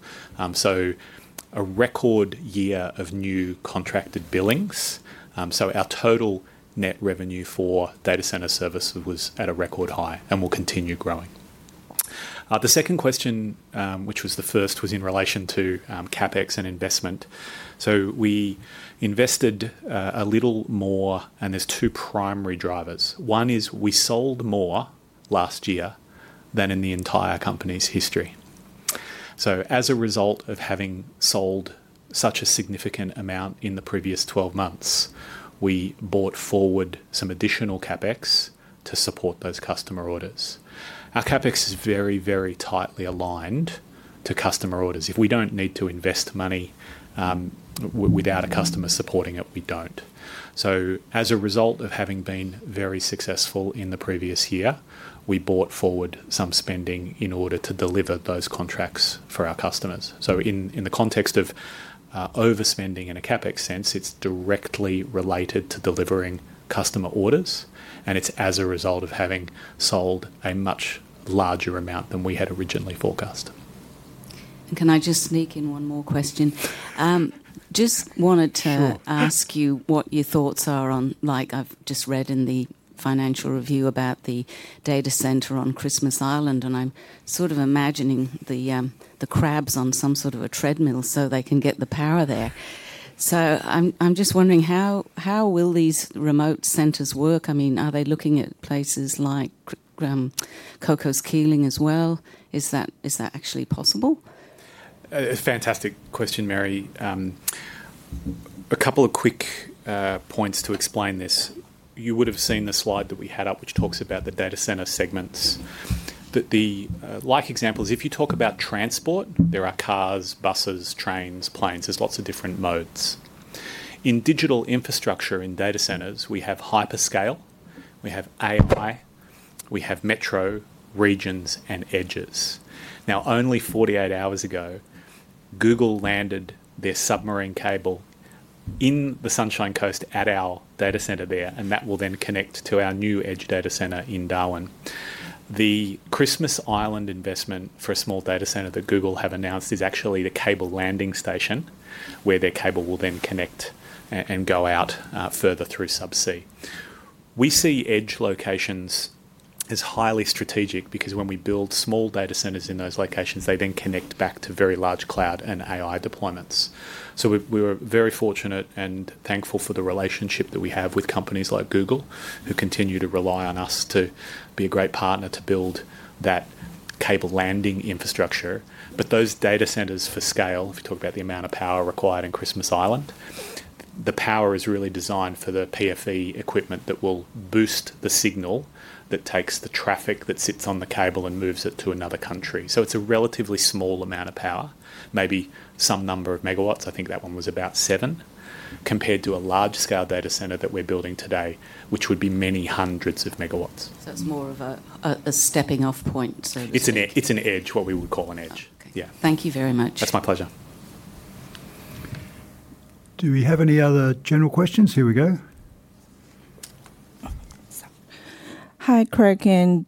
A record year of new contracted billings, so our total net revenue for data center services was at a record high and will continue growing. The second question, which was the first, was in relation to CapEx and investment. We invested a little more, and there are two primary drivers. One is we sold more last year than in the entire company's history. As a result of having sold such a significant amount in the previous 12 months, we brought forward some additional CapEx to support those customer orders. Our CapEx is very, very tightly aligned to customer orders. If we do not need to invest money without a customer supporting it, we do not. As a result of having been very successful in the previous year, we brought forward some spending in order to deliver those contracts for our customers. In the context of overspending in a CapEx sense, it is directly related to delivering customer orders, and it is as a result of having sold a much larger amount than we had originally forecast. Can I just sneak in one more question? Just wanted to ask you what your thoughts are on, like I've just read in the Financial Review about the data center on Christmas Island, and I'm sort of imagining the crabs on some sort of a treadmill so they can get the power there. I'm just wondering, how will these remote centers work? I mean, are they looking at places like Cocos Keeling as well? Is that actually possible? It's a fantastic question, Mary. A couple of quick points to explain this. You would have seen the slide that we had up, which talks about the data center segments. The like example is if you talk about transport, there are cars, buses, trains, planes. There's lots of different modes. In digital infrastructure in data centers, we have hyperscale, we have AI, we have metro regions and edges. Now, only 48 hours ago, Google landed their submarine cable in the Sunshine Coast at our data center there, and that will then connect to our new edge data center in Darwin. The Christmas Island investment for a small data center that Google have announced is actually the cable landing station where their cable will then connect and go out further through subsea. We see edge locations as highly strategic because when we build small data centers in those locations, they then connect back to very large cloud and AI deployments. We were very fortunate and thankful for the relationship that we have with companies like Google who continue to rely on us to be a great partner to build that cable landing infrastructure. Those data centers for scale, if you talk about the amount of power required in Christmas Island, the power is really designed for the PFE equipment that will boost the signal that takes the traffic that sits on the cable and moves it to another country. It is a relatively small amount of power, maybe some number of megawatts. I think that one was about 7 compared to a large-scale data center that we are building today, which would be many hundreds of megawatts. It's more of a stepping-off point. It's an edge, what we would call an edge. Okay. Thank you very much. That's my pleasure. Do we have any other general questions? Here we go. Hi, Craig and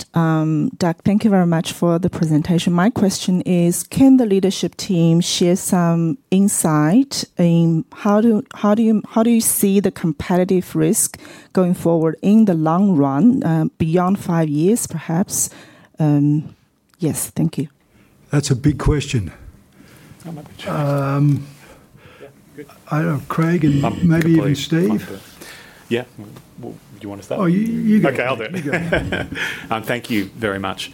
Doug. Thank you very much for the presentation. My question is, can the leadership team share some insight in how do you see the competitive risk going forward in the long run, beyond five years, perhaps? Yes, thank you. That's a big question. I don't know, Craig, and maybe even Steve. Yeah. Do you want to start? Oh, you go. Okay, I'll do it. Thank you very much.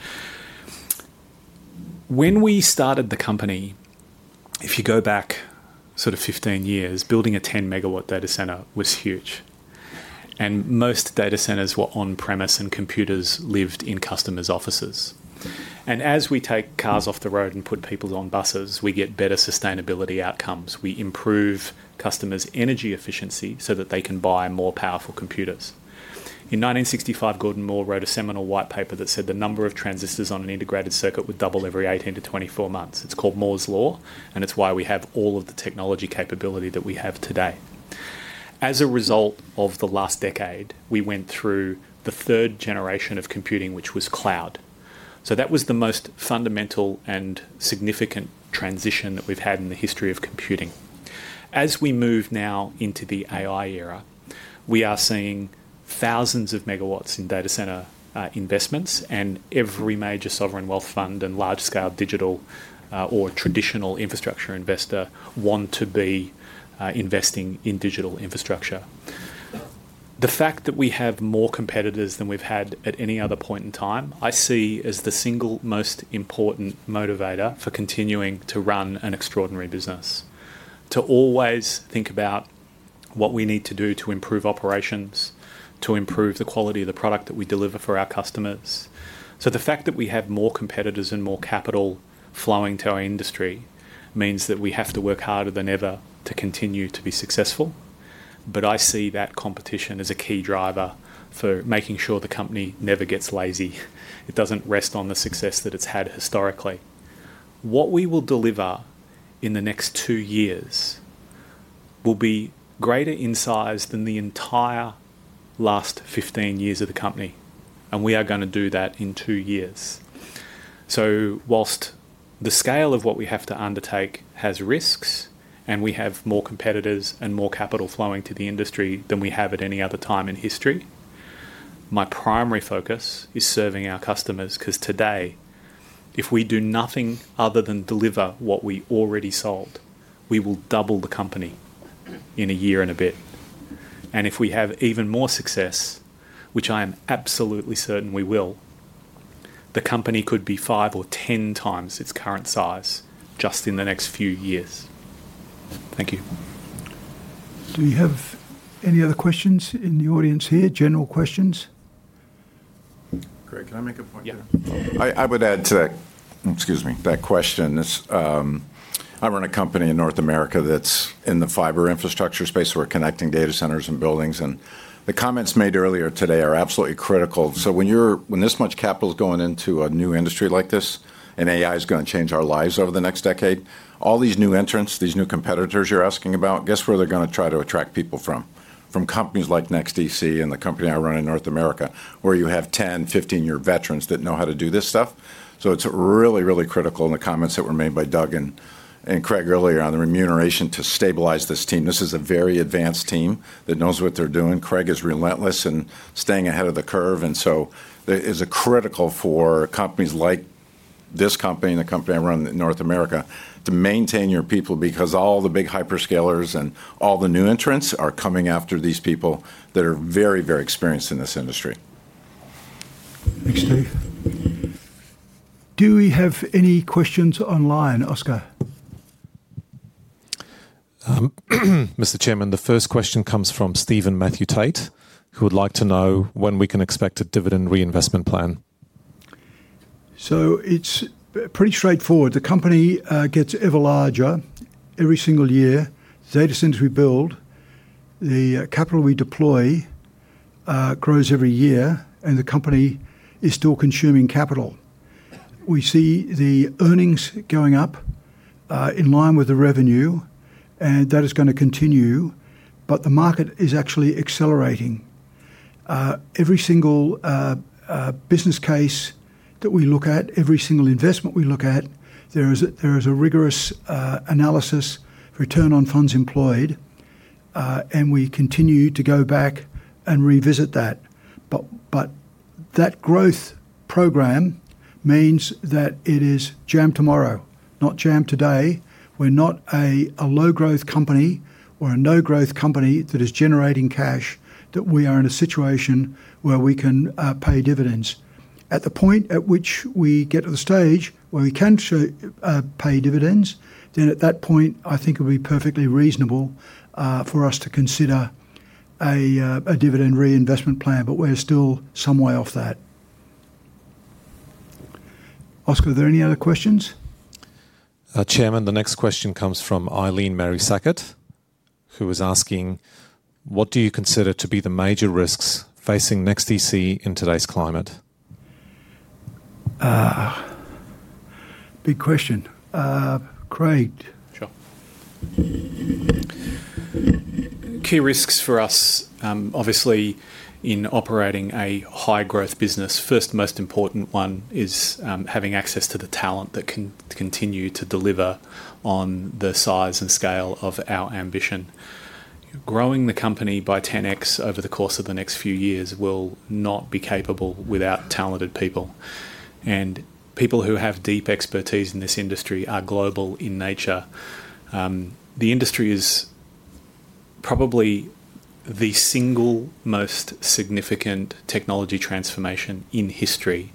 When we started the company, if you go back sort of 15 years, building a 10 MW data center was huge, and most data centers were on-premise and computers lived in customers' offices. As we take cars off the road and put people on buses, we get better sustainability outcomes. We improve customers' energy efficiency so that they can buy more powerful computers. In 1965, Gordon Moore wrote a seminal white paper that said the number of transistors on an integrated circuit would double every 18-24 months. It's called Moore's Law, and it's why we have all of the technology capability that we have today. As a result of the last decade, we went through the third generation of computing, which was cloud. That was the most fundamental and significant transition that we've had in the history of computing. As we move now into the AI era, we are seeing thousands of megawatts in data center investments, and every major sovereign wealth fund and large-scale digital or traditional infrastructure investor want to be investing in digital infrastructure. The fact that we have more competitors than we've had at any other point in time, I see as the single most important motivator for continuing to run an extraordinary business, to always think about what we need to do to improve operations, to improve the quality of the product that we deliver for our customers. The fact that we have more competitors and more capital flowing to our industry means that we have to work harder than ever to continue to be successful. I see that competition as a key driver for making sure the company never gets lazy. It doesn't rest on the success that it's had historically. What we will deliver in the next two years will be greater in size than the entire last 15 years of the company, and we are going to do that in two years. Whilst the scale of what we have to undertake has risks and we have more competitors and more capital flowing to the industry than we have at any other time in history, my primary focus is serving our customers because today, if we do nothing other than deliver what we already sold, we will double the company in a year and a bit. If we have even more success, which I am absolutely certain we will, the company could be five or ten times its current size just in the next few years. Thank you. Do we have any other questions in the audience here? General questions? Craig, can I make a point? Yeah. I would add to that, excuse me, that question. I run a company in North America that's in the fiber infrastructure space. We're connecting data centers and buildings, and the comments made earlier today are absolutely critical. When this much capital is going into a new industry like this and AI is going to change our lives over the next decade, all these new entrants, these new competitors you're asking about, guess where they're going to try to attract people from? From companies like NEXTDC and the company I run in North America, where you have 10-15 year veterans that know how to do this stuff. It is really, really critical in the comments that were made by Doug and Craig earlier on the remuneration to stabilize this team. This is a very advanced team that knows what they're doing. Craig is relentless in staying ahead of the curve, and so it is critical for companies like this company and the company I run in North America to maintain your people because all the big hyperscalers and all the new entrants are coming after these people that are very, very experienced in this industry. Thanks, Stephen. Do we have any questions online, Oskar? Mr. Chairman, the first question comes from Steven Matthew Tate, who would like to know when we can expect a dividend reinvestment plan. It is pretty straightforward. The company gets ever larger every single year. The data centers we build, the capital we deploy grows every year, and the company is still consuming capital. We see the earnings going up in line with the revenue, and that is going to continue, but the market is actually accelerating. Every single business case that we look at, every single investment we look at, there is a rigorous analysis, return on funds employed, and we continue to go back and revisit that. That growth program means that it is jam tomorrow, not jam today. We are not a low-growth company or a no-growth company that is generating cash, that we are in a situation where we can pay dividends. At the point at which we get to the stage where we can pay dividends, then at that point, I think it would be perfectly reasonable for us to consider a dividend reinvestment plan, but we're still some way off that. Oskar, are there any other questions? Chairman, the next question comes from Eileen Mary Sackett, who is asking, what do you consider to be the major risks facing NEXTDC in today's climate? Big question. Craig. Sure. Key risks for us, obviously, in operating a high-growth business, first most important one is having access to the talent that can continue to deliver on the size and scale of our ambition. Growing the company by 10x over the course of the next few years will not be capable without talented people, and people who have deep expertise in this industry are global in nature. The industry is probably the single most significant technology transformation in history,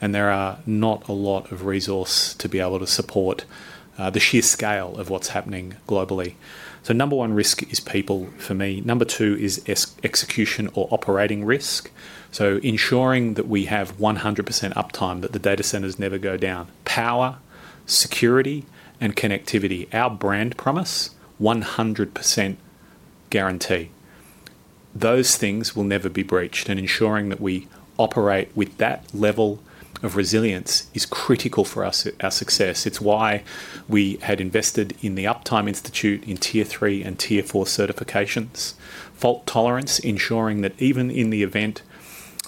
and there are not a lot of resources to be able to support the sheer scale of what's happening globally. Number one risk is people for me. Number two is execution or operating risk. Ensuring that we have 100% uptime, that the data centers never go down, power, security, and connectivity, our brand promise, 100% guarantee. Those things will never be breached, and ensuring that we operate with that level of resilience is critical for our success. It's why we had invested in the Uptime Institute in tier three and tier four certifications. Fault tolerance, ensuring that even in the event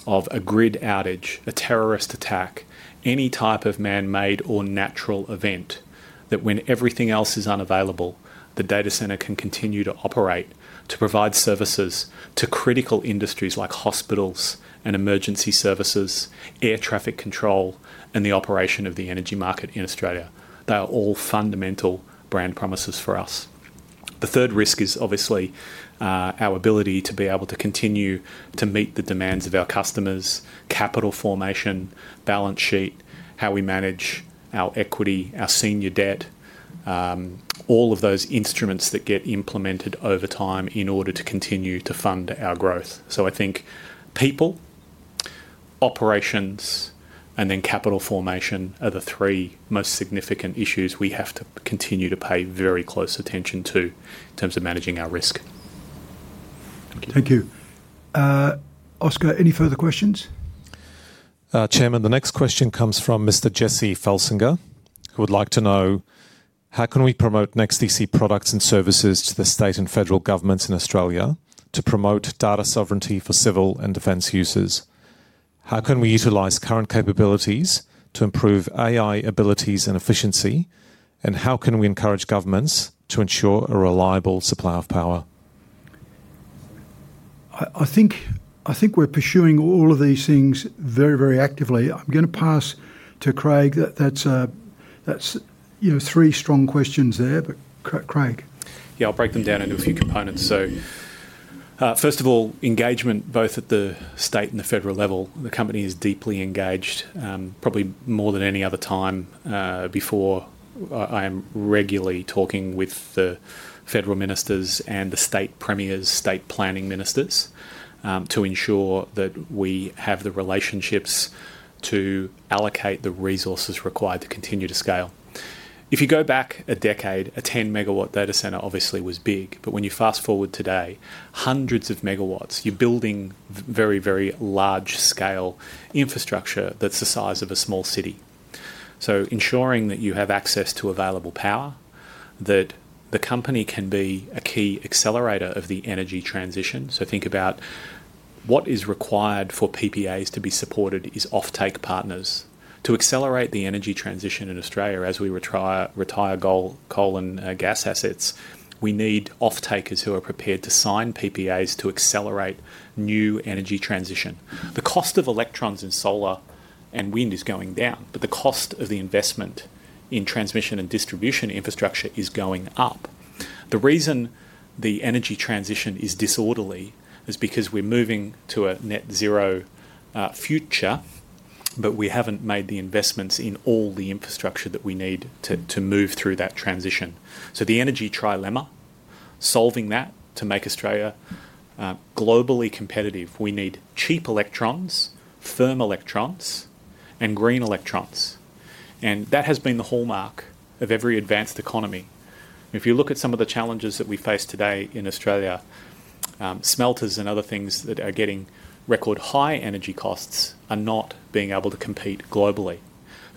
of a grid outage, a terrorist attack, any type of manmade or natural event, that when everything else is unavailable, the data center can continue to operate, to provide services to critical industries like hospitals and emergency services, air traffic control, and the operation of the energy market in Australia. They are all fundamental brand promises for us. The third risk is obviously our ability to be able to continue to meet the demands of our customers, capital formation, balance sheet, how we manage our equity, our senior debt, all of those instruments that get implemented over time in order to continue to fund our growth. I think people, operations, and then capital formation are the three most significant issues we have to continue to pay very close attention to in terms of managing our risk. Thank you. Oskar, any further questions? Chairman, the next question comes from Mr. Jesse Felsinger, who would like to know, how can we promote NEXTDC products and services to the state and federal governments in Australia to promote data sovereignty for civil and defense users? How can we utilize current capabilities to improve AI abilities and efficiency, and how can we encourage governments to ensure a reliable supply of power? I think we're pursuing all of these things very, very actively. I'm going to pass to Craig. That's three strong questions there, but Craig. Yeah, I'll break them down into a few components. First of all, engagement both at the state and the federal level. The company is deeply engaged, probably more than any other time before. I am regularly talking with the federal ministers and the state premiers, state planning ministers, to ensure that we have the relationships to allocate the resources required to continue to scale. If you go back a decade, a 10 MW data center obviously was big, but when you fast forward today, hundreds of megawatts, you're building very, very large-scale infrastructure that's the size of a small city. Ensuring that you have access to available power, that the company can be a key accelerator of the energy transition. Think about what is required for PPAs to be supported is offtake partners. To accelerate the energy transition in Australia as we retire coal and gas assets, we need offtakers who are prepared to sign PPAs to accelerate new energy transition. The cost of electrons in solar and wind is going down, but the cost of the investment in transmission and distribution infrastructure is going up. The reason the energy transition is disorderly is because we're moving to a net-zero future, but we haven't made the investments in all the infrastructure that we need to move through that transition. The energy trilemma, solving that to make Australia globally competitive, we need cheap electrons, firm electrons, and green electrons. That has been the hallmark of every advanced economy. If you look at some of the challenges that we face today in Australia, smelters and other things that are getting record high energy costs are not being able to compete globally.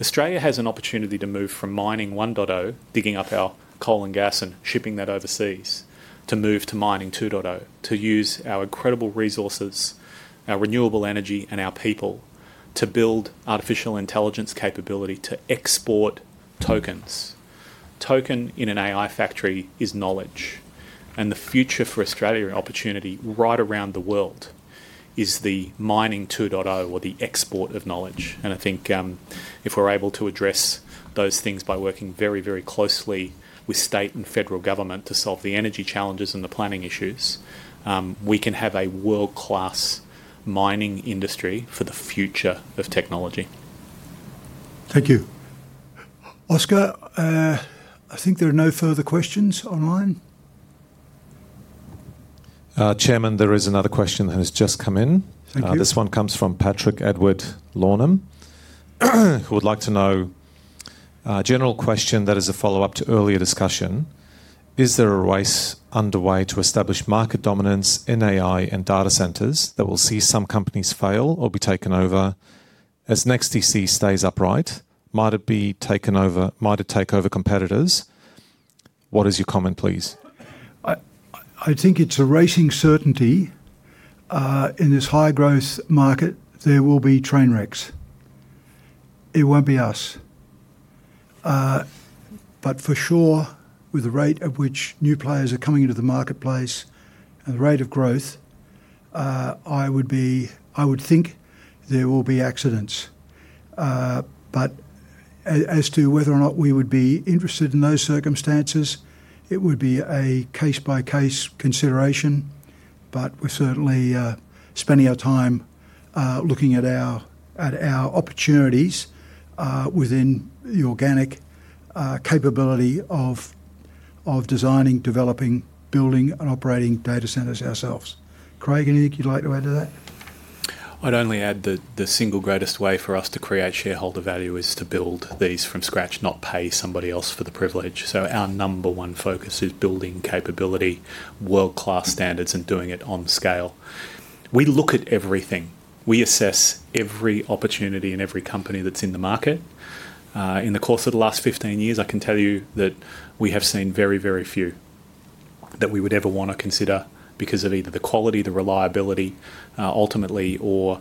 Australia has an opportunity to move from mining 1.0, digging up our coal and gas and shipping that overseas, to move to mining 2.0, to use our incredible resources, our renewable energy, and our people to build artificial intelligence capability to export tokens. Token in an AI factory is knowledge, and the future for Australia and opportunity right around the world is the mining 2.0 or the export of knowledge. I think if we're able to address those things by working very, very closely with state and federal government to solve the energy challenges and the planning issues, we can have a world-class mining industry for the future of technology. Thank you. Oskar, I think there are no further questions online. Chairman, there is another question that has just come in. This one comes from Patrick Edward Lornam, who would like to know, general question that is a follow-up to earlier discussion. Is there a race underway to establish market dominance in AI and data centers that will see some companies fail or be taken over as NEXTDC stays upright? Might it be taken over? Might it take over competitors? What is your comment, please? I think it's a racing certainty. In this high-growth market, there will be train wrecks. It won't be us. For sure, with the rate at which new players are coming into the marketplace and the rate of growth, I would think there will be accidents. As to whether or not we would be interested in those circumstances, it would be a case-by-case consideration, but we're certainly spending our time looking at our opportunities within the organic capability of designing, developing, building, and operating data centers ourselves. Craig, anything you'd like to add to that? I'd only add that the single greatest way for us to create shareholder value is to build these from scratch, not pay somebody else for the privilege. Our number one focus is building capability, world-class standards, and doing it on scale. We look at everything. We assess every opportunity in every company that's in the market. In the course of the last 15 years, I can tell you that we have seen very, very few that we would ever want to consider because of either the quality, the reliability, ultimately, or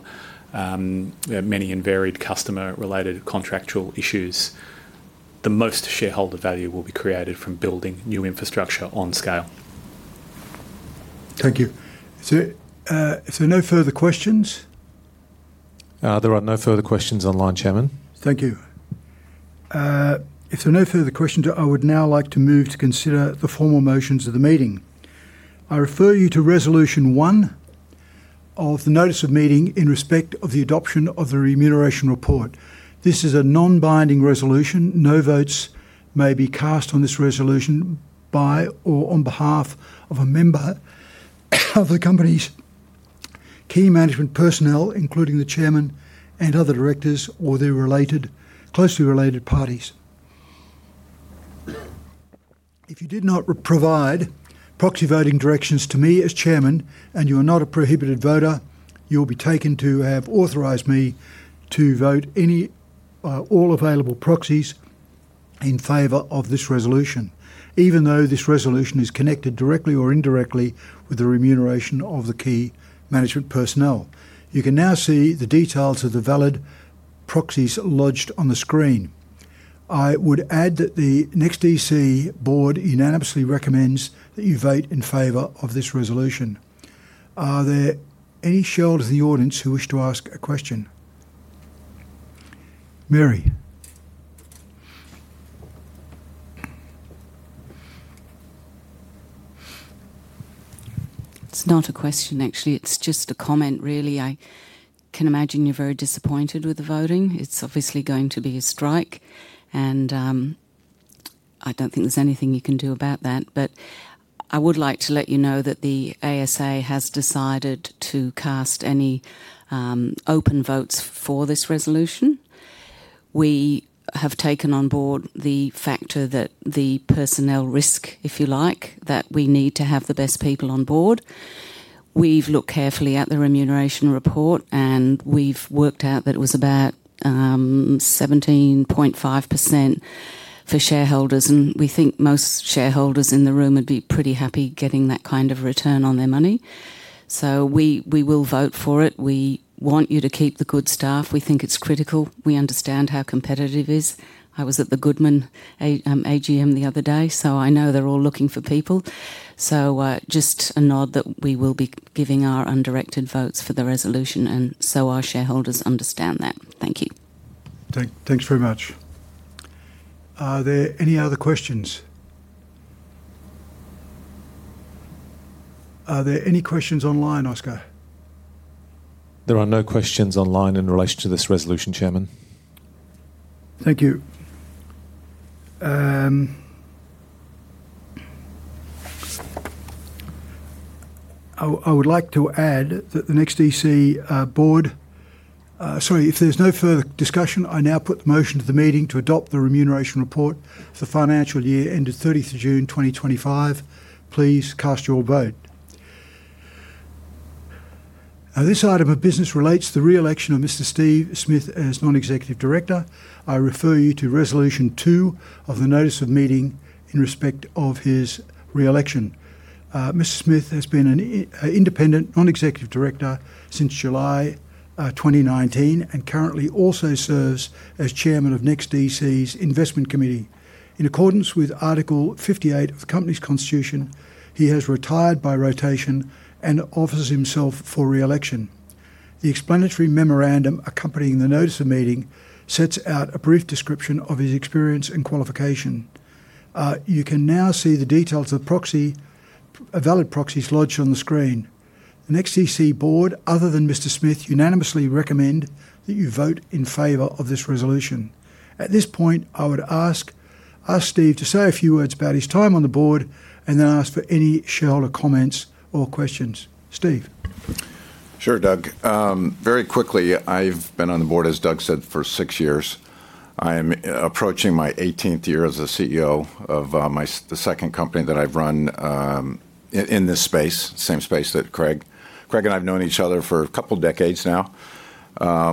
many and varied customer-related contractual issues. The most shareholder value will be created from building new infrastructure on scale. Thank you. No further questions? There are no further questions online, Chairman. Thank you. If there are no further questions, I would now like to move to consider the formal motions of the meeting. I refer you to resolution one of the notice of meeting in respect of the adoption of the remuneration report. This is a non-binding resolution. No votes may be cast on this resolution by or on behalf of a member of the company's key management personnel, including the Chairman and other directors or their closely related parties. If you did not provide proxy voting directions to me as Chairman and you are not a prohibited voter, you'll be taken to have authorized me to vote all available proxies in favor of this resolution, even though this resolution is connected directly or indirectly with the remuneration of the key management personnel. You can now see the details of the valid proxies lodged on the screen. I would add that the NEXTDC board unanimously recommends that you vote in favor of this resolution. Are there any shareholders in the audience who wish to ask a question? Mary. It's not a question, actually. It's just a comment, really. I can imagine you're very disappointed with the voting. It's obviously going to be a strike, and I don't think there's anything you can do about that. I would like to let you know that the ASA has decided to cast any open votes for this resolution. We have taken on board the factor that the personnel risk, if you like, that we need to have the best people on board. We've looked carefully at the remuneration report, and we've worked out that it was about 17.5% for shareholders, and we think most shareholders in the room would be pretty happy getting that kind of return on their money. We will vote for it. We want you to keep the good staff. We think it's critical. We understand how competitive it is. I was at the Goodman AGM the other day, so I know they're all looking for people. Just a nod that we will be giving our undirected votes for the resolution, and so our shareholders understand that. Thank you. Thanks very much. Are there any other questions? Are there any questions online, Oskar? There are no questions online in relation to this resolution, Chairman. Thank you. I would like to add that the NEXTDC board sorry, if there's no further discussion, I now put the motion to the meeting to adopt the remuneration report for the financial year ended 30th of June 2025. Please cast your vote. This item of business relates to the reelection of Mr. Steve Smith as non-executive director. I refer you to resolution two of the notice of meeting in respect of his reelection. Mr. Smith has been an independent non-executive director since July 2019 and currently also serves as Chairman of NEXTDC's Investment Committee. In accordance with Article 58 of the company's constitution, he has retired by rotation and offers himself for reelection. The explanatory memorandum accompanying the notice of meeting sets out a brief description of his experience and qualification. You can now see the details of a valid proxy lodged on the screen. The NEXTDC board, other than Mr. Smith, unanimously recommend that you vote in favor of this resolution. At this point, I would ask Steve to say a few words about his time on the board and then ask for any shareholder comments or questions. Steve. Sure, Doug. Very quickly, I've been on the board, as Doug said, for six years. I am approaching my 18th year as the CEO of the second company that I've run in this space, same space that Craig. Craig and I have known each other for a couple of decades now.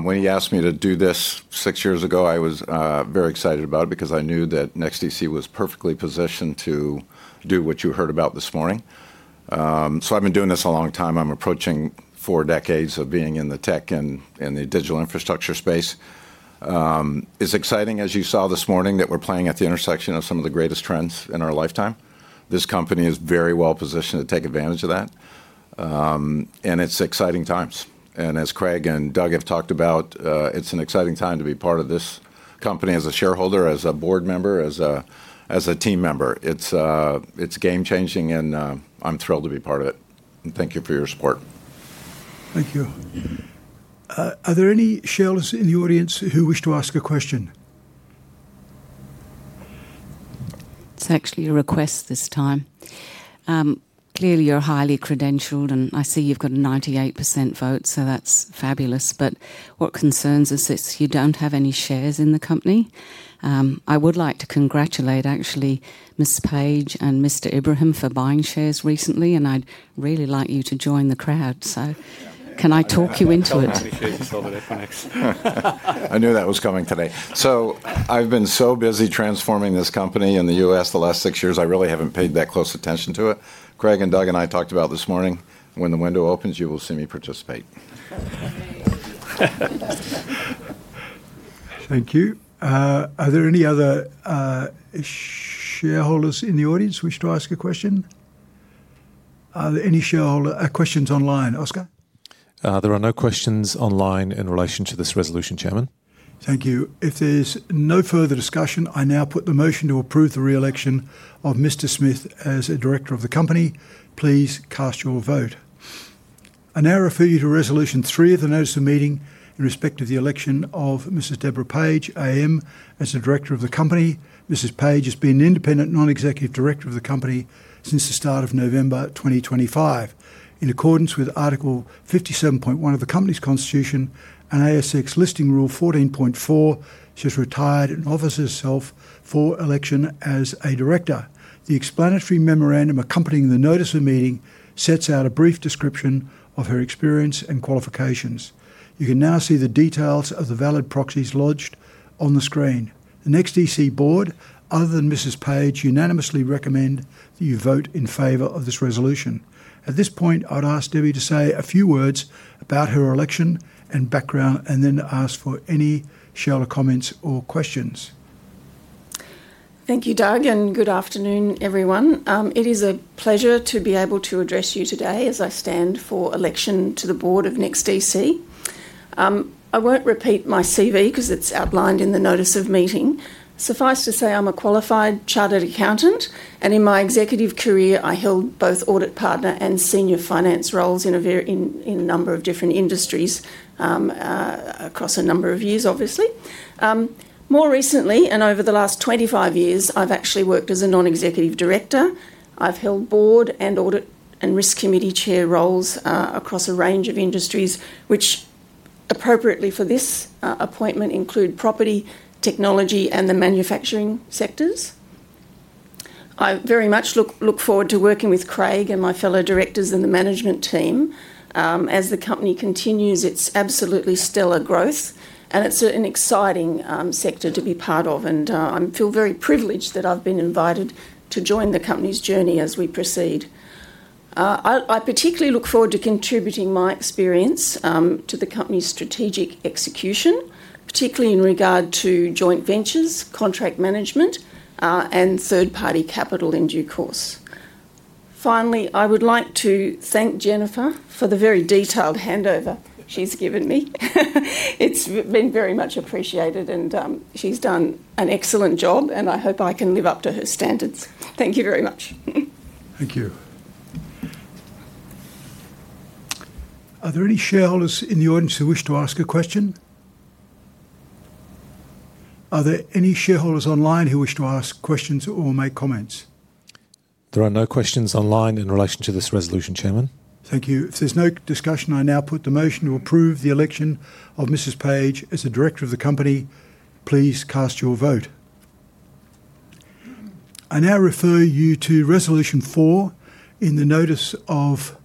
When he asked me to do this six years ago, I was very excited about it because I knew that NEXTDC was perfectly positioned to do what you heard about this morning. So I've been doing this a long time. I'm approaching four decades of being in the tech and the digital infrastructure space. It's exciting, as you saw this morning, that we're playing at the intersection of some of the greatest trends in our lifetime. This company is very well positioned to take advantage of that, and it's exciting times. As Craig and Doug have talked about, it's an exciting time to be part of this company as a shareholder, as a board member, as a team member. It's game-changing, and I'm thrilled to be part of it. Thank you for your support. Thank you. Are there any shareholders in the audience who wish to ask a question? It's actually a request this time. Clearly, you're highly credentialed, and I see you've got a 98% vote, so that's fabulous. What concerns us is you don't have any shares in the company. I would like to congratulate, actually, Ms. Page and Mr. Ibrahim for buying shares recently, and I'd really like you to join the crowd. Can I talk you into it? I appreciate you solving it for NEXTDC. I knew that was coming today. I have been so busy transforming this company in the US the last six years, I really have not paid that close attention to it. Craig and Doug and I talked about this morning. When the window opens, you will see me participate. Thank you. Are there any other shareholders in the audience who wish to ask a question? Are there any questions online, Oskar? There are no questions online in relation to this resolution, Chairman. Thank you. If there's no further discussion, I now put the motion to approve the reelection of Mr. Smith as a director of the company. Please cast your vote. I now refer you to resolution three of the notice of meeting in respect of the election of Mrs. Deborah Page, AM, as the director of the company. Mrs. Page has been an independent non-executive director of the company since the start of November 2025. In accordance with Article 57.1 of the company's constitution and ASX Listing Rule 14.4, she has retired and offers herself for election as a director. The explanatory memorandum accompanying the notice of meeting sets out a brief description of her experience and qualifications. You can now see the details of the valid proxies lodged on the screen. The NEXTDC board, other than Mrs. Page, unanimously recommend that you vote in favor of this resolution. At this point, I would ask Deborah to say a few words about her election and background and then ask for any shareholders' comments or questions. Thank you, Doug, and good afternoon, everyone. It is a pleasure to be able to address you today as I stand for election to the board of NEXTDC. I won't repeat my CV because it's outlined in the notice of meeting. Suffice to say, I'm a qualified chartered accountant, and in my executive career, I held both audit partner and senior finance roles in a number of different industries across a number of years, obviously. More recently, and over the last 25 years, I've actually worked as a non-executive director. I've held board and audit and risk committee chair roles across a range of industries, which, appropriately for this appointment, include property, technology, and the manufacturing sectors. I very much look forward to working with Craig and my fellow directors and the management team as the company continues its absolutely stellar growth. It's an exciting sector to be part of, and I feel very privileged that I've been invited to join the company's journey as we proceed. I particularly look forward to contributing my experience to the company's strategic execution, particularly in regard to joint ventures, contract management, and third-party capital in due course. Finally, I would like to thank Jennifer for the very detailed handover she's given me. It's been very much appreciated, and she's done an excellent job, and I hope I can live up to her standards. Thank you very much. Thank you. Are there any shareholders in the audience who wish to ask a question? Are there any shareholders online who wish to ask questions or make comments? There are no questions online in relation to this resolution, Chairman. Thank you. If there's no discussion, I now put the motion to approve the election of Mrs. Page as the director of the company. Please cast your vote. I now refer you to resolution four in the notice of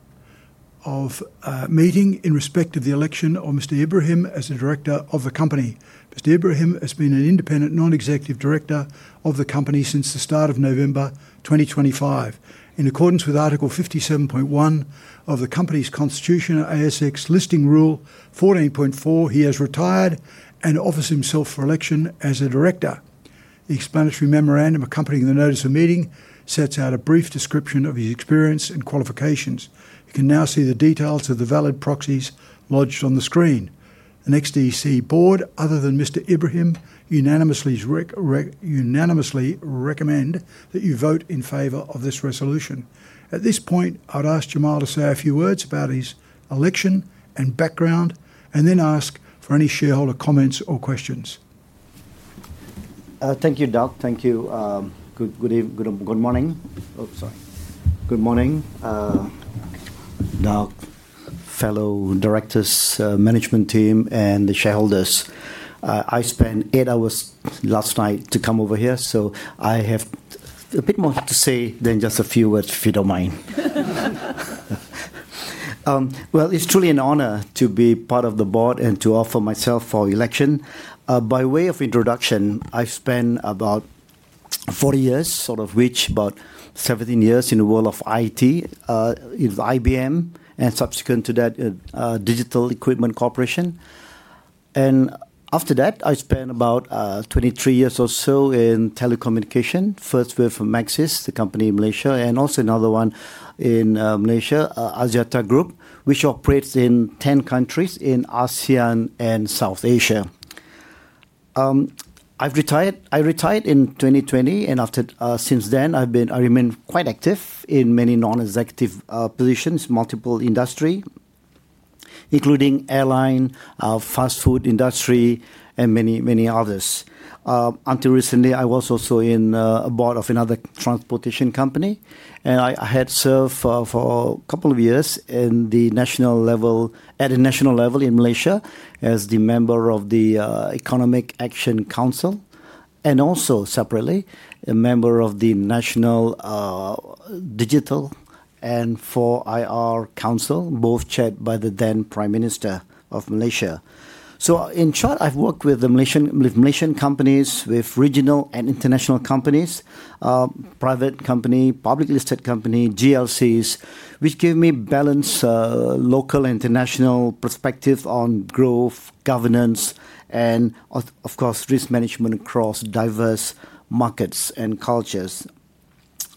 meeting in respect of the election of Mr. Ibrahim as the director of the company. Mr. Ibrahim has been an independent non-executive director of the company since the start of November 2025. In accordance with Article 57.1 of the company's constitution and ASX Listing Rule 14.4, he has retired and offers himself for election as a director. The explanatory memorandum accompanying the notice of meeting sets out a brief description of his experience and qualifications. You can now see the details of the valid proxies lodged on the screen. The NEXTDC board, other than Mr. Ibrahim, unanimously recommend that you vote in favor of this resolution. At this point, I would ask Jamal to say a few words about his election and background, and then ask for any shareholder comments or questions. Thank you, Doug. Thank you. Good morning. Oh, sorry. Good morning. Doug, fellow directors, management team, and the shareholders. I spent eight hours last night to come over here, so I have a bit more to say than just a few words, if you don't mind. It is truly an honor to be part of the board and to offer myself for election. By way of introduction, I spent about 40 years, out of which about 17 years in the world of IT with IBM and subsequent to that, Digital Equipment Corporation. After that, I spent about 23 years or so in telecommunication, first with Maxis, the company in Malaysia, and also another one in Malaysia, Axiata Group, which operates in 10 countries in ASEAN and South Asia. I retired in 2020, and since then, I've been quite active in many non-executive positions, multiple industries, including airline, fast food industry, and many, many others. Until recently, I was also on board of another transportation company, and I had served for a couple of years at a national level in Malaysia as the member of the Economic Action Council and also, separately, a member of the National Digital and 4IR Council, both chaired by the then Prime Minister of Malaysia. In short, I've worked with Malaysian companies, with regional and international companies, private company, public listed company, GLCs, which give me balanced local and international perspective on growth, governance, and, of course, risk management across diverse markets and cultures.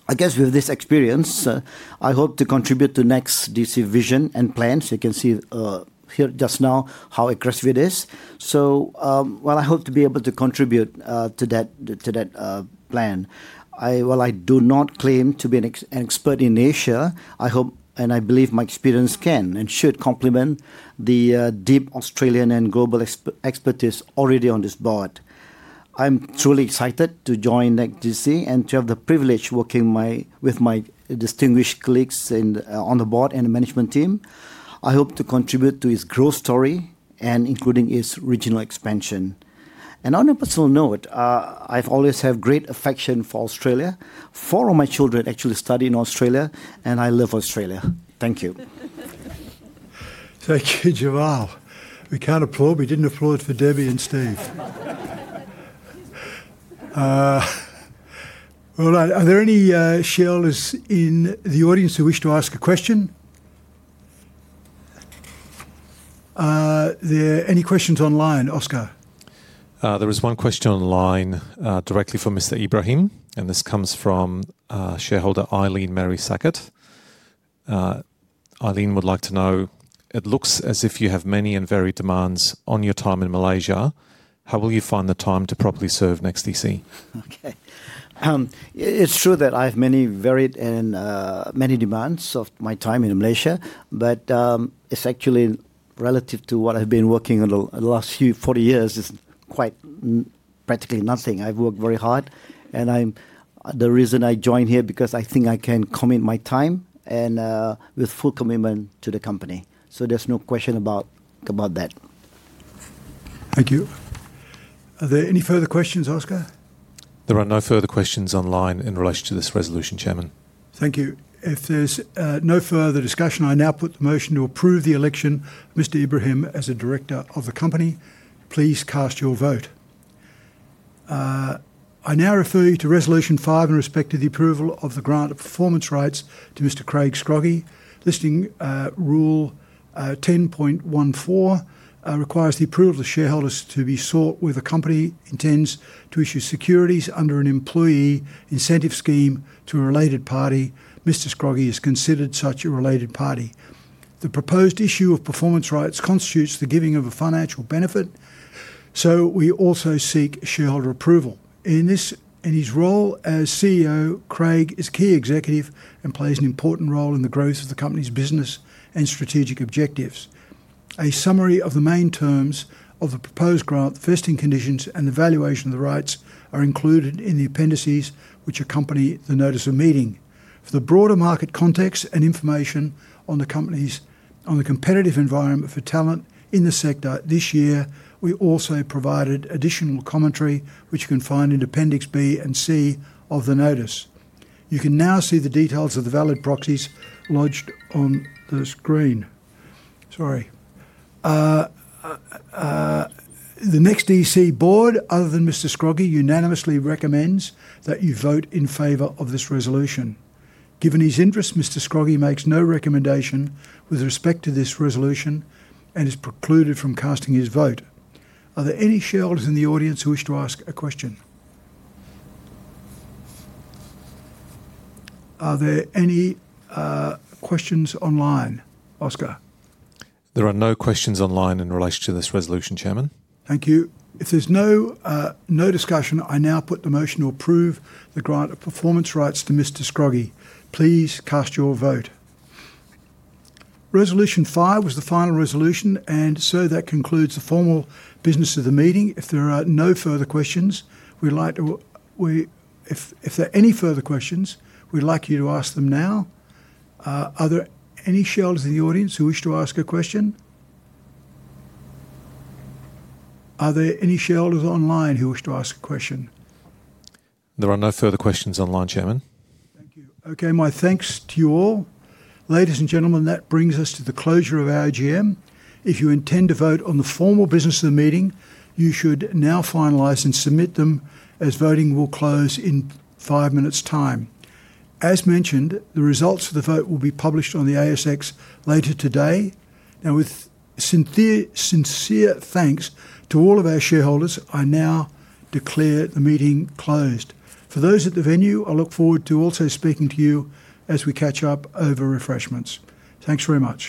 I guess with this experience, I hope to contribute to NEXTDC vision and plans. You can see here just now how aggressive it is. I hope to be able to contribute to that plan. While I do not claim to be an expert in Asia, I hope and I believe my experience can and should complement the deep Australian and global expertise already on this board. I'm truly excited to join NEXTDC and to have the privilege working with my distinguished colleagues on the board and the management team. I hope to contribute to its growth story and including its regional expansion. On a personal note, I've always had great affection for Australia. Four of my children actually study in Australia, and I love Australia. Thank you. Thank you, Jamal. We can't applaud. We didn't applaud for Debbie and Steve. All right. Are there any shareholders in the audience who wish to ask a question? Are there any questions online, Oskar? There is one question online directly from Mr. Ibrahim, and this comes from shareholder Eileen Mary Sackett. Eileen would like to know, "It looks as if you have many and varied demands on your time in Malaysia. How will you find the time to properly serve NEXTDC? Okay. It's true that I have many varied and many demands of my time in Malaysia, but it's actually relative to what I've been working on the last 40 years, it's quite practically nothing. I've worked very hard, and the reason I joined here is because I think I can commit my time with full commitment to the company. There is no question about that. Thank you. Are there any further questions, Oskar? There are no further questions online in relation to this resolution, Chairman. Thank you. If there's no further discussion, I now put the motion to approve the election of Mr. Ibrahim as a director of the company. Please cast your vote. I now refer you to resolution five in respect to the approval of the grant of performance rights to Mr. Craig Scroggie. Listing Rule 10.14 requires the approval of the shareholders to be sought where the company intends to issue securities under an employee incentive scheme to a related party. Mr. Scroggie is considered such a related party. The proposed issue of performance rights constitutes the giving of a financial benefit. So we also seek shareholder approval. In his role as CEO, Craig is key executive and plays an important role in the growth of the company's business and strategic objectives. A summary of the main terms of the proposed grant, the vesting conditions, and the valuation of the rights are included in the appendices which accompany the notice of meeting. For the broader market context and information on the competitive environment for talent in the sector this year, we also provided additional commentary, which you can find in Appendix B and C of the notice. You can now see the details of the valid proxies lodged on the screen. Sorry. The NEXTDC board, other than Mr. Scroggie, unanimously recommends that you vote in favor of this resolution. Given his interest, Mr. Scroggie makes no recommendation with respect to this resolution and is precluded from casting his vote. Are there any shareholders in the audience who wish to ask a question? Are there any questions online, Oskar? There are no questions online in relation to this resolution, Chairman. Thank you. If there's no discussion, I now put the motion to approve the grant of performance rights to Mr. Scroggie. Please cast your vote. Resolution five was the final resolution, and so that concludes the formal business of the meeting. If there are no further questions, we'd like to—if there are any further questions, we'd like you to ask them now. Are there any shareholders in the audience who wish to ask a question? Are there any shareholders online who wish to ask a question? There are no further questions online, Chairman. Thank you. Okay, my thanks to you all. Ladies and gentlemen, that brings us to the closure of AGM. If you intend to vote on the formal business of the meeting, you should now finalize and submit them as voting will close in five minutes' time. As mentioned, the results of the vote will be published on the ASX later today. Now, with sincere thanks to all of our shareholders, I now declare the meeting closed. For those at the venue, I look forward to also speaking to you as we catch up over refreshments. Thanks very much.